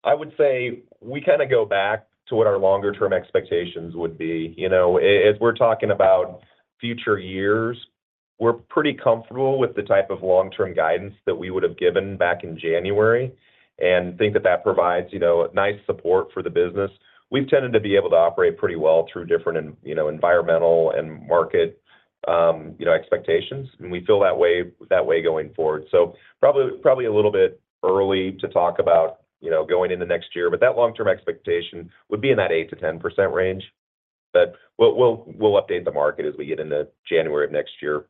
I would say we kind of go back to what our longer term expectations would be. You know, as we're talking about future years, we're pretty comfortable with the type of long-term guidance that we would have given back in January and think that that provides, you know, nice support for the business. We've tended to be able to operate pretty well through different, and, you know, environmental and market, you know, expectations, and we feel that way, that way going forward. So probably a little bit early to talk about, you know, going into next year, but that long-term expectation would be in that 8%-10% range, but we'll update the market as we get into January of next year.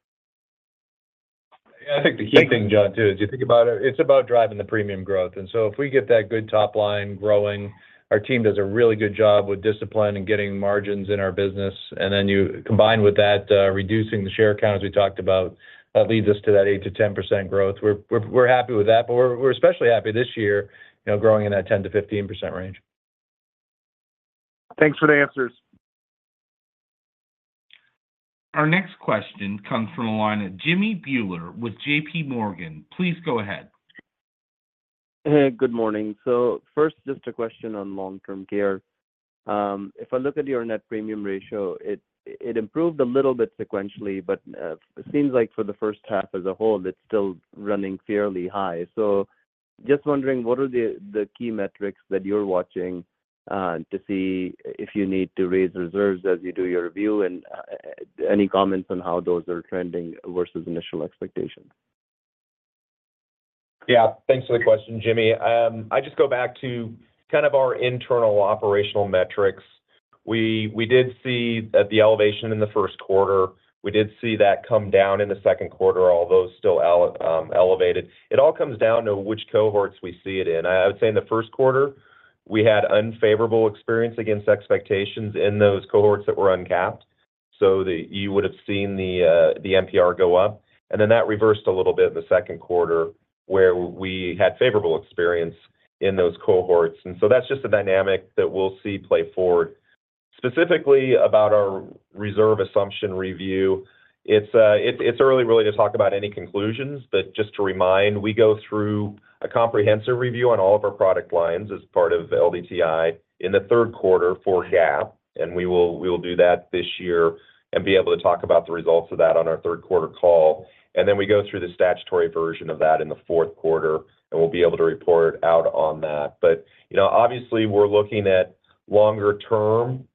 Yeah, I think the key thing, John, too, as you think about it, it's about driving the premium growth. And so if we get that good top line growing, our team does a really good job with discipline and getting margins in our business. And then you combine with that, reducing the share count, as we talked about, that leads us to that 8%-10% growth. We're happy with that, but we're especially happy this year, you know, growing in that 10%-15% range. Thanks for the answers. Our next question comes from the line of Jimmy Bhullar with J.P. Morgan. Please go ahead. Hey, good morning. So first, just a question on long-term care. If I look at your net premium ratio, it improved a little bit sequentially, but it seems like for the first half as a whole, it's still running fairly high. So just wondering, what are the key metrics that you're watching to see if you need to raise reserves as you do your review, and any comments on how those are trending versus initial expectations? Yeah, thanks for the question, Jimmy. I just go back to kind of our internal operational metrics. We, we did see that the elevation in the first quarter, we did see that come down in the second quarter, although still elevated. It all comes down to which cohorts we see it in. I would say in the first quarter, we had unfavorable experience against expectations in those cohorts that were uncapped, so that you would have seen the NPR go up, and then that reversed a little bit in the second quarter, where we had favorable experience in those cohorts. And so that's just a dynamic that we'll see play forward. Specifically, about our reserve assumption review, it's early really to talk about any conclusions, but just to remind, we go through a comprehensive review on all of our product lines as part of LDTI in the third quarter for GAAP, and we will do that this year and be able to talk about the results of that on our third quarter call. Then we go through the statutory version of that in the fourth quarter, and we'll be able to report out on that. But you know, obviously, we're looking at longer term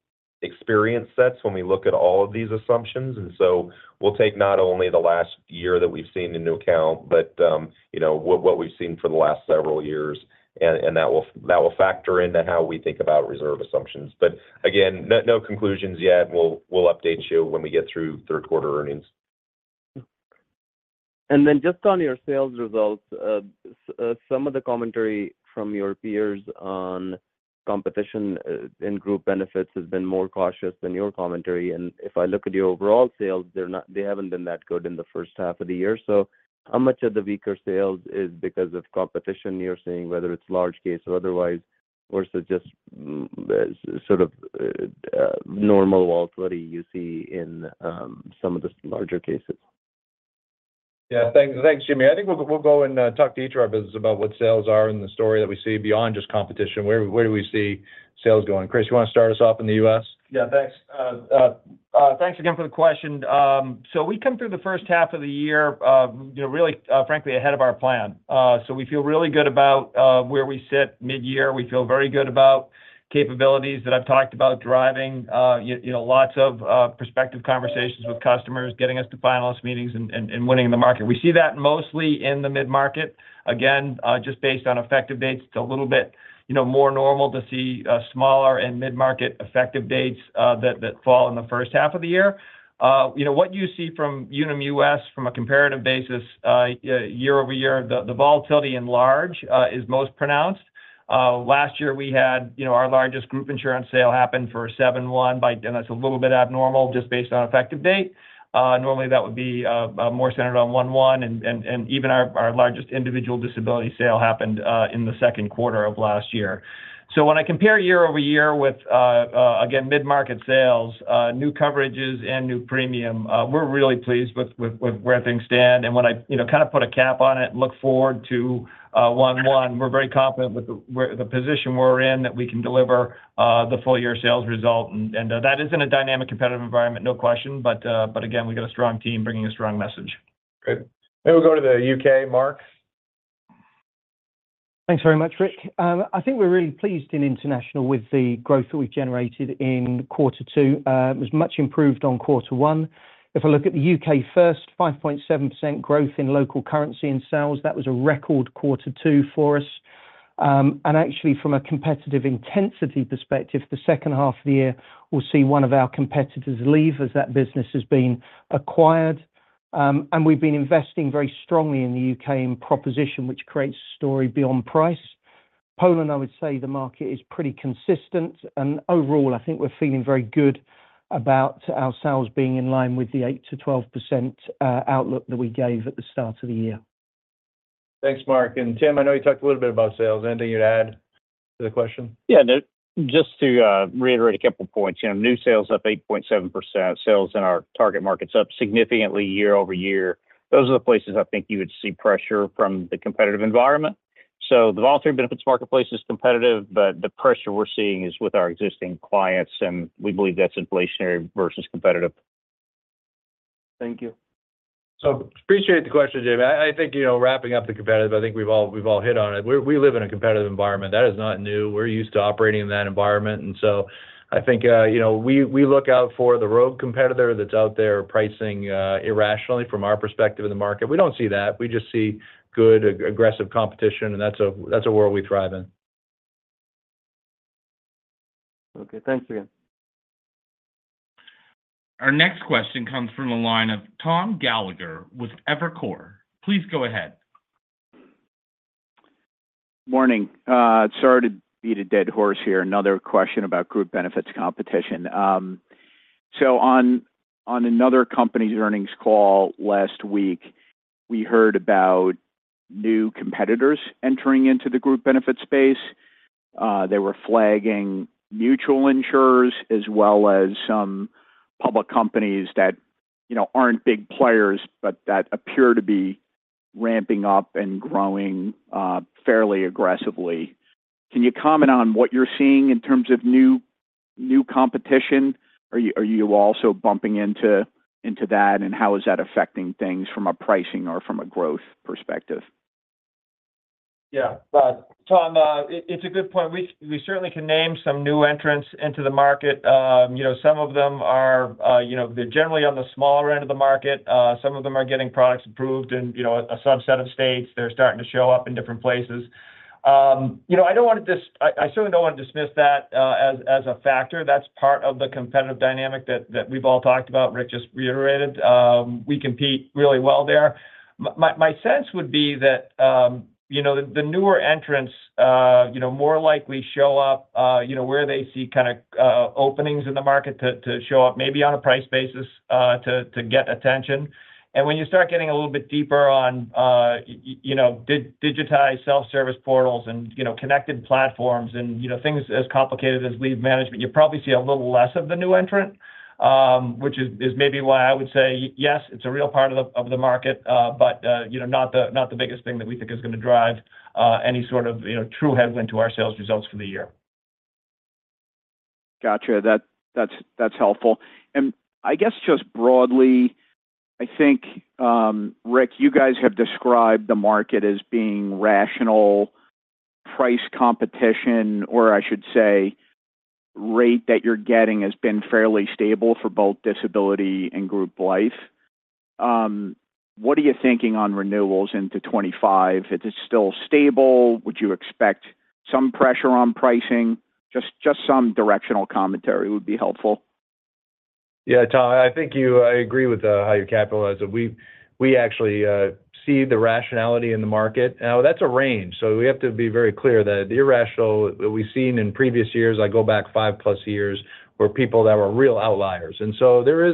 experience sets when we look at all of these assumptions, and so we'll take not only the last year that we've seen into account, but you know, what we've seen for the last several years, and that will factor into how we think about reserve assumptions. But again, no, no conclusions yet. We'll, we'll update you when we get through third quarter earnings. And then just on your sales results, some of the commentary from your peers on competition in group benefits has been more cautious than your commentary, and if I look at your overall sales, they haven't been that good in the first half of the year. So how much of the weaker sales is because of competition you're seeing, whether it's large case or otherwise, or is it just sort of normal volatility you see in some of the larger cases? Yeah, thanks. Thanks, Jimmy. I think we'll go and talk to each of our businesses about what sales are and the story that we see beyond just competition, where do we see sales going. Chris, you want to start us off in the US? Yeah, thanks. Thanks again for the question. So we come through the first half of the year, you know, really, frankly, ahead of our plan. So we feel really good about where we sit mid-year. We feel very good about capabilities that I've talked about driving, you know, lots of prospective conversations with customers, getting us to finalist meetings and winning in the market. We see that mostly in the mid-market. Again, just based on effective dates, it's a little bit, you know, more normal to see smaller and mid-market effective dates that fall in the first half of the year. You know, what you see from Unum US from a comparative basis, year-over-year, the volatility in large is most pronounced. Last year we had, you know, our largest group insurance sale happened for 7/1 by... and that's a little bit abnormal just based on effective date. Normally, that would be more centered on 1/1, and even our largest individual disability sale happened in the second quarter of last year. So when I compare year-over-year with, again, mid-market sales, new coverages, and new premium, we're really pleased with where things stand. When I, you know, kind of put a cap on it and look forward to 1/1, we're very confident with the where the position we're in, that we can deliver the full year sales result, and, and, that is in a dynamic, competitive environment, no question, but, but again, we've got a strong team bringing a strong message. Good. Maybe we'll go to the UK, Mark? Thanks very much, Rick. I think we're really pleased in International with the growth that we've generated in quarter two. It was much improved on quarter one. If I look at the UK first, 5.7% growth in local currency and sales, that was a record quarter two for us. And actually, from a competitive intensity perspective, the second half of the year will see one of our competitors leave as that business has been acquired. And we've been investing very strongly in the UK in proposition, which creates story beyond price. Poland, I would say, the market is pretty consistent, and overall, I think we're feeling very good about our sales being in line with the 8%-12% outlook that we gave at the start of the year. Thanks, Mark, and Tim. I know you talked a little bit about sales. Anything to add to the question? Yeah, no, just to reiterate a couple points. You know, new sales up 8.7%, sales in our target market's up significantly year-over-year. Those are the places I think you would see pressure from the competitive environment. So the voluntary benefits marketplace is competitive, but the pressure we're seeing is with our existing clients, and we believe that's inflationary versus competitive. Thank you. So appreciate the question, Jimmy. I, I think, you know, wrapping up the competitive, I think we've all, we've all hit on it. We, we live in a competitive environment. That is not new. We're used to operating in that environment, and so I think, you know, we, we look out for the rogue competitor that's out there pricing, irrationally from our perspective in the market. We don't see that. We just see good, aggressive competition, and that's a, that's a world we thrive in. Okay. Thanks again. Our next question comes from the line of Tom Gallagher with Evercore. Please go ahead. Morning. Sorry to beat a dead horse here, another question about group benefits competition. So on another company's earnings call last week, we heard about new competitors entering into the group benefit space. They were flagging mutual insurers as well as some public companies that, you know, aren't big players, but that appear to be ramping up and growing fairly aggressively. Can you comment on what you're seeing in terms of new competition? Are you also bumping into that? And how is that affecting things from a pricing or from a growth perspective? ... Yeah, Tom, it, it's a good point. We certainly can name some new entrants into the market. You know, some of them are, you know, they're generally on the smaller end of the market. Some of them are getting products approved in, you know, a subset of states. They're starting to show up in different places. You know, I certainly don't want to dismiss that as a factor. That's part of the competitive dynamic that we've all talked about, Rick just reiterated. We compete really well there. My sense would be that, you know, the newer entrants, you know, more likely show up, you know, where they see kind of, openings in the market to, to show up, maybe on a price basis, to, to get attention. And when you start getting a little bit deeper on, you know, digitized self-service portals and, you know, connected platforms and, you know, things as complicated as lead management, you probably see a little less of the new entrant, which is maybe why I would say yes, it's a real part of the market, but, you know, not the biggest thing that we think is gonna drive, any sort of, you know, true headwind to our sales results for the year. Gotcha. That's helpful. And I guess just broadly, I think, Rick, you guys have described the market as being rational price competition, or I should say, rate that you're getting has been fairly stable for both disability and group life. What are you thinking on renewals into 25? Is it still stable? Would you expect some pressure on pricing? Just some directional commentary would be helpful. Yeah, Tom, I think you—I agree with how you capitalize it. We actually see the rationality in the market. Now, that's a range, so we have to be very clear that the irrational that we've seen in previous years, I go back five-plus years, were people that were real outliers. And so there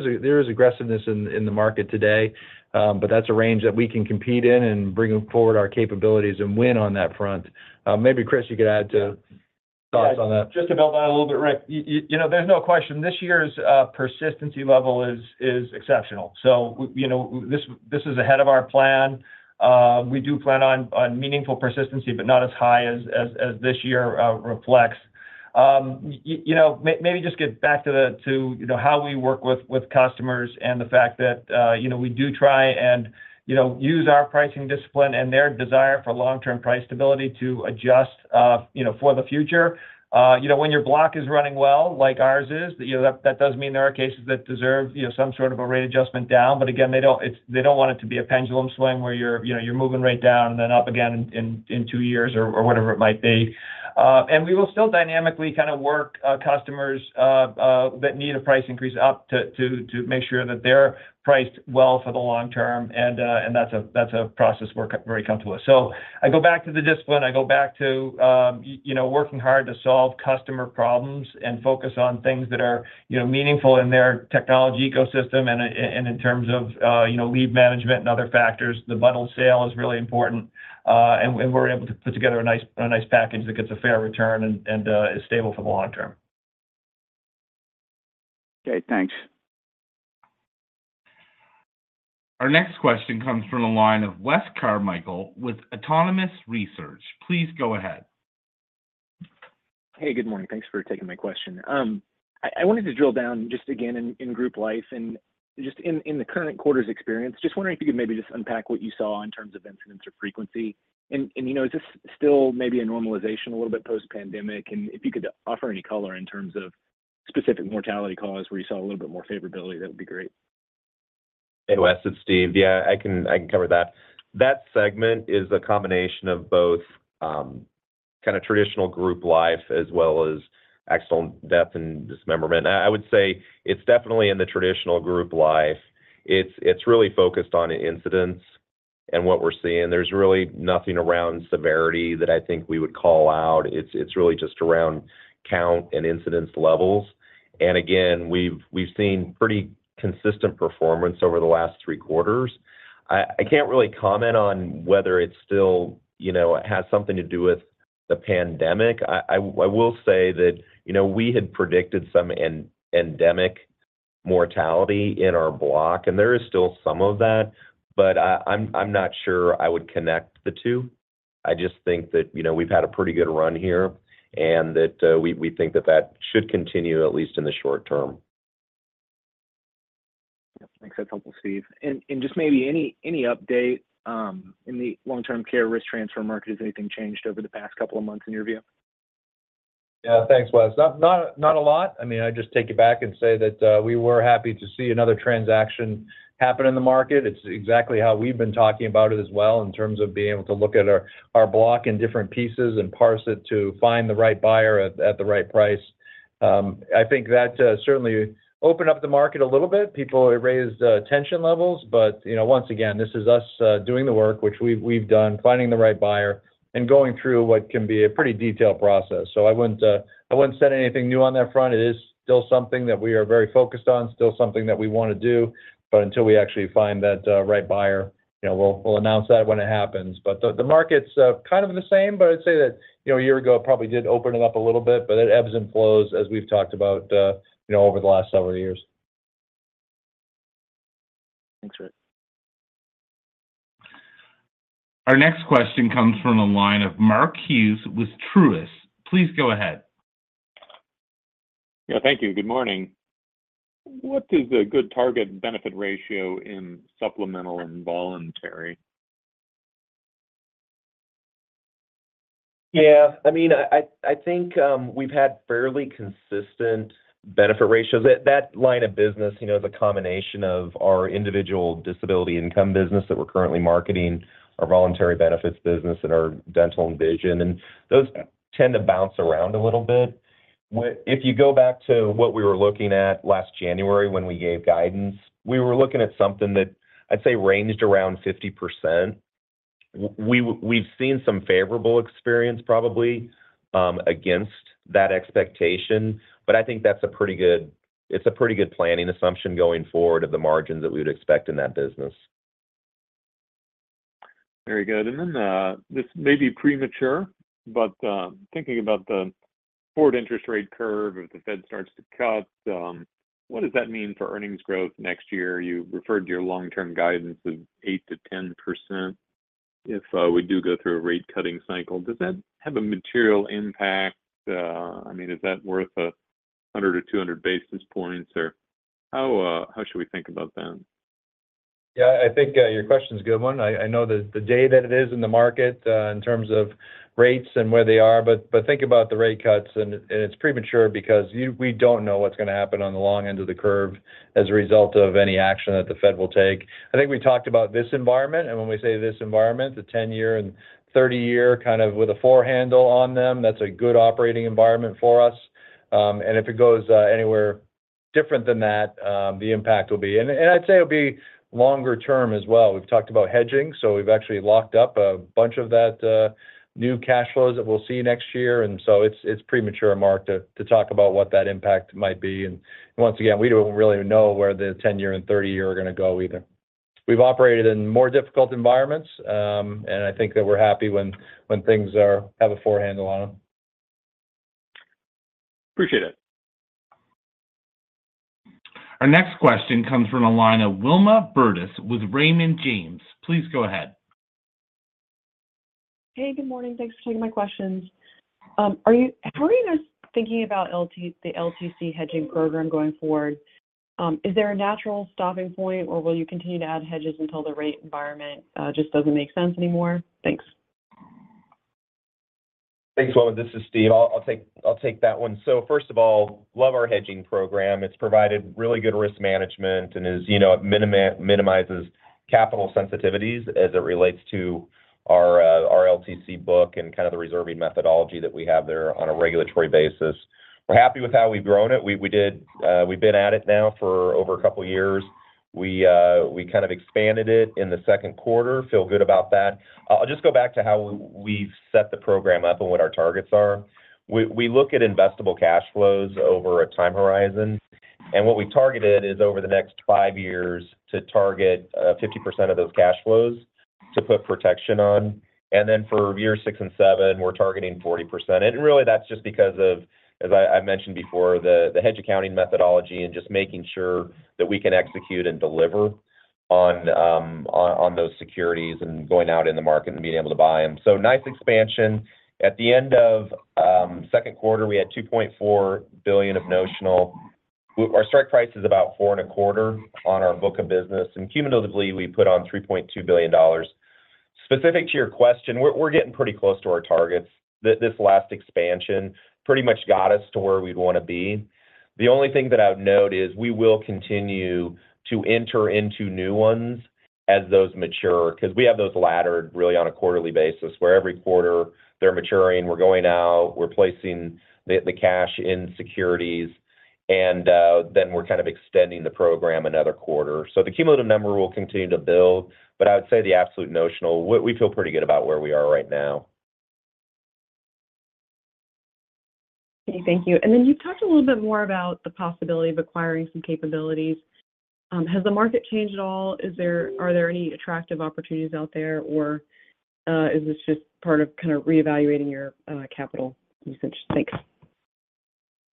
is aggressiveness in the market today, but that's a range that we can compete in and bring forward our capabilities and win on that front. Maybe, Chris, you could add to thoughts on that. Just to build on that a little bit, Rick, you know, there's no question this year's persistency level is exceptional. So you know, this is ahead of our plan. We do plan on meaningful persistency, but not as high as this year reflects. You know, maybe just get back to the, you know, how we work with customers and the fact that, you know, we do try and use our pricing discipline and their desire for long-term price stability to adjust for the future. You know, when your block is running well, like ours is, you know, that does mean there are cases that deserve some sort of a rate adjustment down. But again, they don't. It's they don't want it to be a pendulum swing where you're, you know, you're moving right down and then up again in two years or whatever it might be. And we will still dynamically kind of work customers that need a price increase up to make sure that they're priced well for the long term. And and that's a process we're very comfortable with. So I go back to the discipline. I go back to you know, working hard to solve customer problems and focus on things that are, you know, meaningful in their technology ecosystem and and in terms of you know, lead management and other factors. The bundled sale is really important, and we're able to put together a nice package that gets a fair return and is stable for the long term. Okay, thanks. Our next question comes from the line of Wes Carmichael with Autonomous Research. Please go ahead. Hey, good morning. Thanks for taking my question. I wanted to drill down, just again, in group life and just in the current quarter's experience. Just wondering if you could maybe just unpack what you saw in terms of incidence or frequency. And you know, is this still maybe a normalization a little bit post-pandemic? And if you could offer any color in terms of specific mortality cause where you saw a little bit more favorability, that would be great. Hey, Wes, it's Steve. Yeah, I can cover that. That segment is a combination of both kind of traditional group life as well as accidental death and dismemberment. I would say it's definitely in the traditional group life. It's really focused on incidence and what we're seeing. There's really nothing around severity that I think we would call out. It's really just around count and incidence levels. And again, we've seen pretty consistent performance over the last three quarters. I can't really comment on whether it's still, you know, has something to do with the pandemic. I will say that, you know, we had predicted some endemic mortality in our block, and there is still some of that, but I'm not sure I would connect the two. I just think that, you know, we've had a pretty good run here, and that we think that that should continue, at least in the short term. Yeah. Thanks. That's helpful, Steve. And just maybe any update in the long-term care risk transfer market, has anything changed over the past couple of months, in your view? Yeah, thanks, Wes. Not a lot. I mean, I just take it back and say that we were happy to see another transaction happen in the market. It's exactly how we've been talking about it as well, in terms of being able to look at our block in different pieces and parse it to find the right buyer at the right price. I think that certainly opened up the market a little bit. People raised tension levels, but you know, once again, this is us doing the work, which we've done, finding the right buyer and going through what can be a pretty detailed process. So I wouldn't say anything new on that front. It is still something that we are very focused on, still something that we want to do, but until we actually find that right buyer, you know, we'll announce that when it happens. But the market's kind of the same, but I'd say that, you know, a year ago, it probably did open it up a little bit, but it ebbs and flows, as we've talked about, you know, over the last several years. Thanks, Rick. Our next question comes from the line of Mark Hughes with Truist. Please go ahead.... Yeah, thank you. Good morning. What is a good target benefit ratio in supplemental and voluntary? Yeah, I mean, I think, we've had fairly consistent benefit ratios. That line of business, you know, is a combination of our individual disability income business that we're currently marketing, our voluntary benefits business, and our dental and vision, and those tend to bounce around a little bit. If you go back to what we were looking at last January when we gave guidance, we were looking at something that I'd say ranged around 50%. We, we've seen some favorable experience probably against that expectation, but I think that's a pretty good. It's a pretty good planning assumption going forward of the margins that we'd expect in that business. Very good. And then, this may be premature, but, thinking about the forward interest rate curve, if the Fed starts to cut, what does that mean for earnings growth next year? You referred to your long-term guidance of 8%-10%. If we do go through a rate cutting cycle, does that have a material impact? I mean, is that worth 100 or 200 basis points, or how, how should we think about that? Yeah, I think your question is a good one. I know the day that it is in the market in terms of rates and where they are, but think about the rate cuts, and it's premature because you we don't know what's gonna happen on the long end of the curve as a result of any action that the Fed will take. I think we talked about this environment, and when we say this environment, the 10-year and 30-year kind of with a 4 handle on them, that's a good operating environment for us. And if it goes anywhere different than that, the impact will be... And I'd say it'll be longer term as well. We've talked about hedging, so we've actually locked up a bunch of that new cash flows that we'll see next year, and so it's premature, Mark, to talk about what that impact might be. Once again, we don't really know where the 10-year and 30-year are gonna go either. We've operated in more difficult environments, and I think that we're happy when we have a handle on them. Appreciate it. Our next question comes from a line of Wilma Burdis with Raymond James. Please go ahead. Hey, good morning. Thanks for taking my questions. How are you guys thinking about the LTC hedging program going forward? Is there a natural stopping point, or will you continue to add hedges until the rate environment just doesn't make sense anymore? Thanks. Thanks, Wilma. This is Steve. I'll take that one. So first of all, love our hedging program. It's provided really good risk management, and as you know, it minimizes capital sensitivities as it relates to our LTC book and kind of the reserving methodology that we have there on a regulatory basis. We're happy with how we've grown it. We've been at it now for over a couple of years. We kind of expanded it in the second quarter. Feel good about that. I'll just go back to how we've set the program up and what our targets are. We look at investable cash flows over a time horizon, and what we targeted is over the next 5 years to target 50% of those cash flows to put protection on, and then for year 6 and 7, we're targeting 40%. And really, that's just because of, as I mentioned before, the hedge accounting methodology and just making sure that we can execute and deliver on those securities and going out in the market and being able to buy them. So nice expansion. At the end of second quarter, we had $2.4 billion of notional. Our strike price is about 4.25 on our book of business, and cumulatively, we put on $3.2 billion. Specific to your question, we're getting pretty close to our targets. This last expansion pretty much got us to where we'd want to be. The only thing that I would note is we will continue to enter into new ones as those mature, 'cause we have those laddered really on a quarterly basis, where every quarter they're maturing, we're going out, we're placing the cash in securities, and then we're kind of extending the program another quarter. So the cumulative number will continue to build, but I would say the absolute notional, we feel pretty good about where we are right now. Okay, thank you. Then you've talked a little bit more about the possibility of acquiring some capabilities. Has the market changed at all? Are there any attractive opportunities out there, or is this just part of kind of reevaluating your capital usage? Thanks.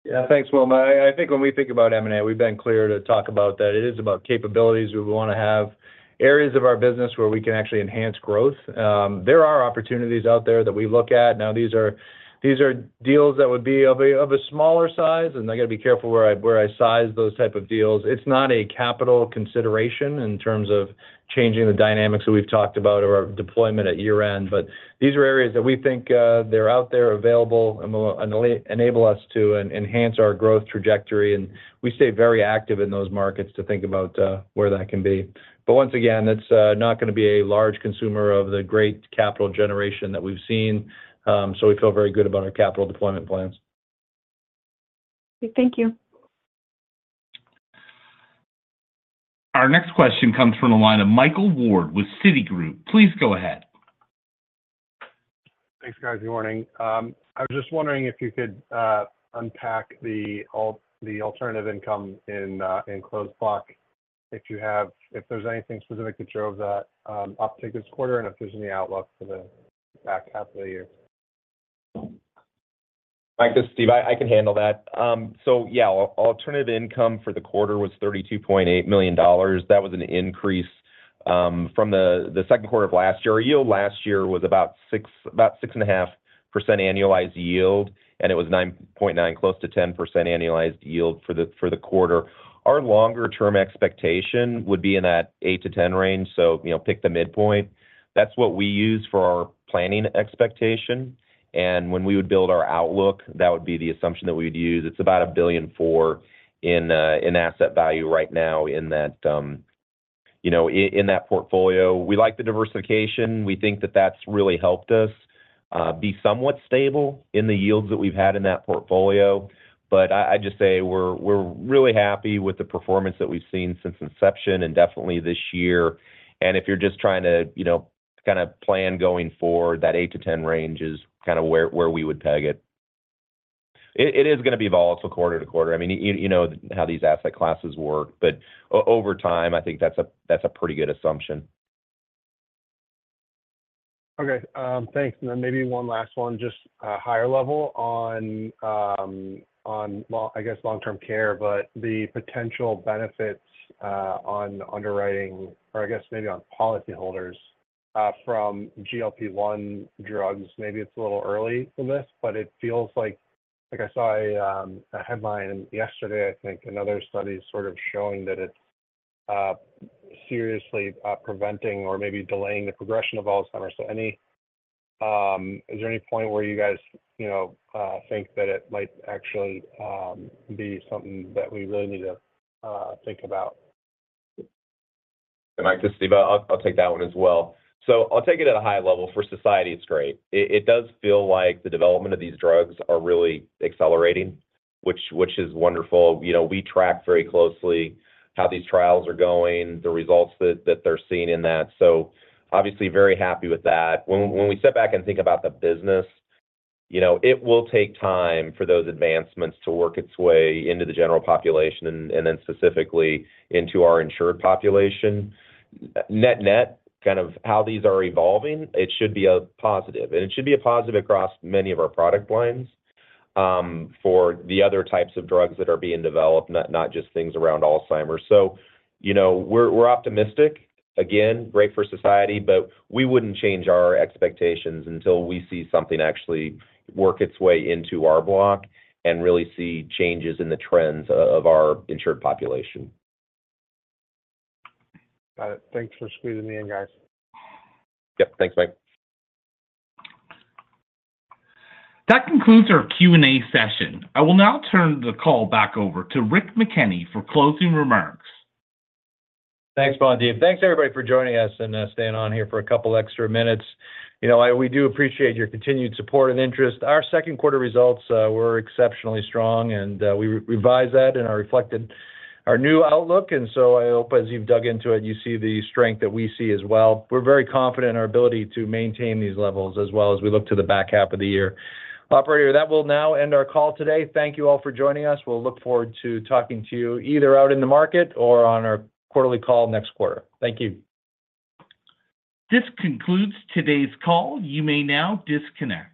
Yeah. Thanks, Wilma. I think when we think about M&A, we've been clear to talk about that. It is about capabilities, where we wanna have areas of our business where we can actually enhance growth. There are opportunities out there that we look at. Now, these are deals that would be of a smaller size, and I got to be careful where I size those type of deals. It's not a capital consideration in terms of changing the dynamics that we've talked about or our deployment at year-end, but these are areas that we think, they're out there available and will enable us to enhance our growth trajectory, and we stay very active in those markets to think about where that can be. But once again, that's not gonna be a large consumer of the great capital generation that we've seen. So we feel very good about our capital deployment plans. Thank you. Our next question comes from the line of Michael Ward with Citigroup. Please go ahead. Thanks, guys. Good morning. I was just wondering if you could unpack the alternative income in closed block, if there's anything specific that drove that uptake this quarter, and if there's any outlook for the back half of the year? ... Mike, this is Steve. I can handle that. So yeah, alternative income for the quarter was $32.8 million. That was an increase from the second quarter of last year. Our yield last year was about 6.5% annualized yield, and it was 9.9%, close to 10% annualized yield for the quarter. Our longer term expectation would be in that 8%-10% range, so you know, pick the midpoint. That's what we use for our planning expectation. And when we would build our outlook, that would be the assumption that we'd use. It's about $1.4 billion in asset value right now in that portfolio. We like the diversification. We think that that's really helped us be somewhat stable in the yields that we've had in that portfolio. But I just say we're really happy with the performance that we've seen since inception and definitely this year. And if you're just trying to, you know, kinda plan going forward, that 8-10 range is kinda where we would peg it. It is gonna be volatile quarter to quarter. I mean, you know how these asset classes work, but over time, I think that's a pretty good assumption. Okay, thanks. And then maybe one last one, just, higher level on, on, well, I guess long-term care, but the potential benefits, on underwriting or I guess maybe on policyholders, from GLP-1 drugs. Maybe it's a little early for this, but it feels like... Like I saw a headline yesterday, I think, another study sort of showing that it's, seriously, preventing or maybe delaying the progression of Alzheimer's. So any— Is there any point where you guys, you know, think that it might actually, be something that we really need to, think about? And Mike, this is Steve. I'll take that one as well. So I'll take it at a high level. For society, it's great. It does feel like the development of these drugs are really accelerating, which is wonderful. You know, we track very closely how these trials are going, the results that they're seeing in that. So obviously, very happy with that. When we step back and think about the business, you know, it will take time for those advancements to work its way into the general population, and then specifically into our insured population. Net-net, kind of how these are evolving, it should be a positive, and it should be a positive across many of our product lines, for the other types of drugs that are being developed, not just things around Alzheimer's. So, you know, we're optimistic. Again, great for society, but we wouldn't change our expectations until we see something actually work its way into our block and really see changes in the trends of our insured population. Got it. Thanks for squeezing me in, guys. Yep. Thanks, Mike. That concludes our Q&A session. I will now turn the call back over to Rick McKenney for closing remarks. Thanks, Mandeep. Thanks, everybody, for joining us and staying on here for a couple extra minutes. You know, we do appreciate your continued support and interest. Our second quarter results were exceptionally strong, and we revised that and reflected our new outlook, and so I hope as you've dug into it, you see the strength that we see as well. We're very confident in our ability to maintain these levels as well as we look to the back half of the year. Operator, that will now end our call today. Thank you all for joining us. We'll look forward to talking to you either out in the market or on our quarterly call next quarter. Thank you. This concludes today's call. You may now disconnect.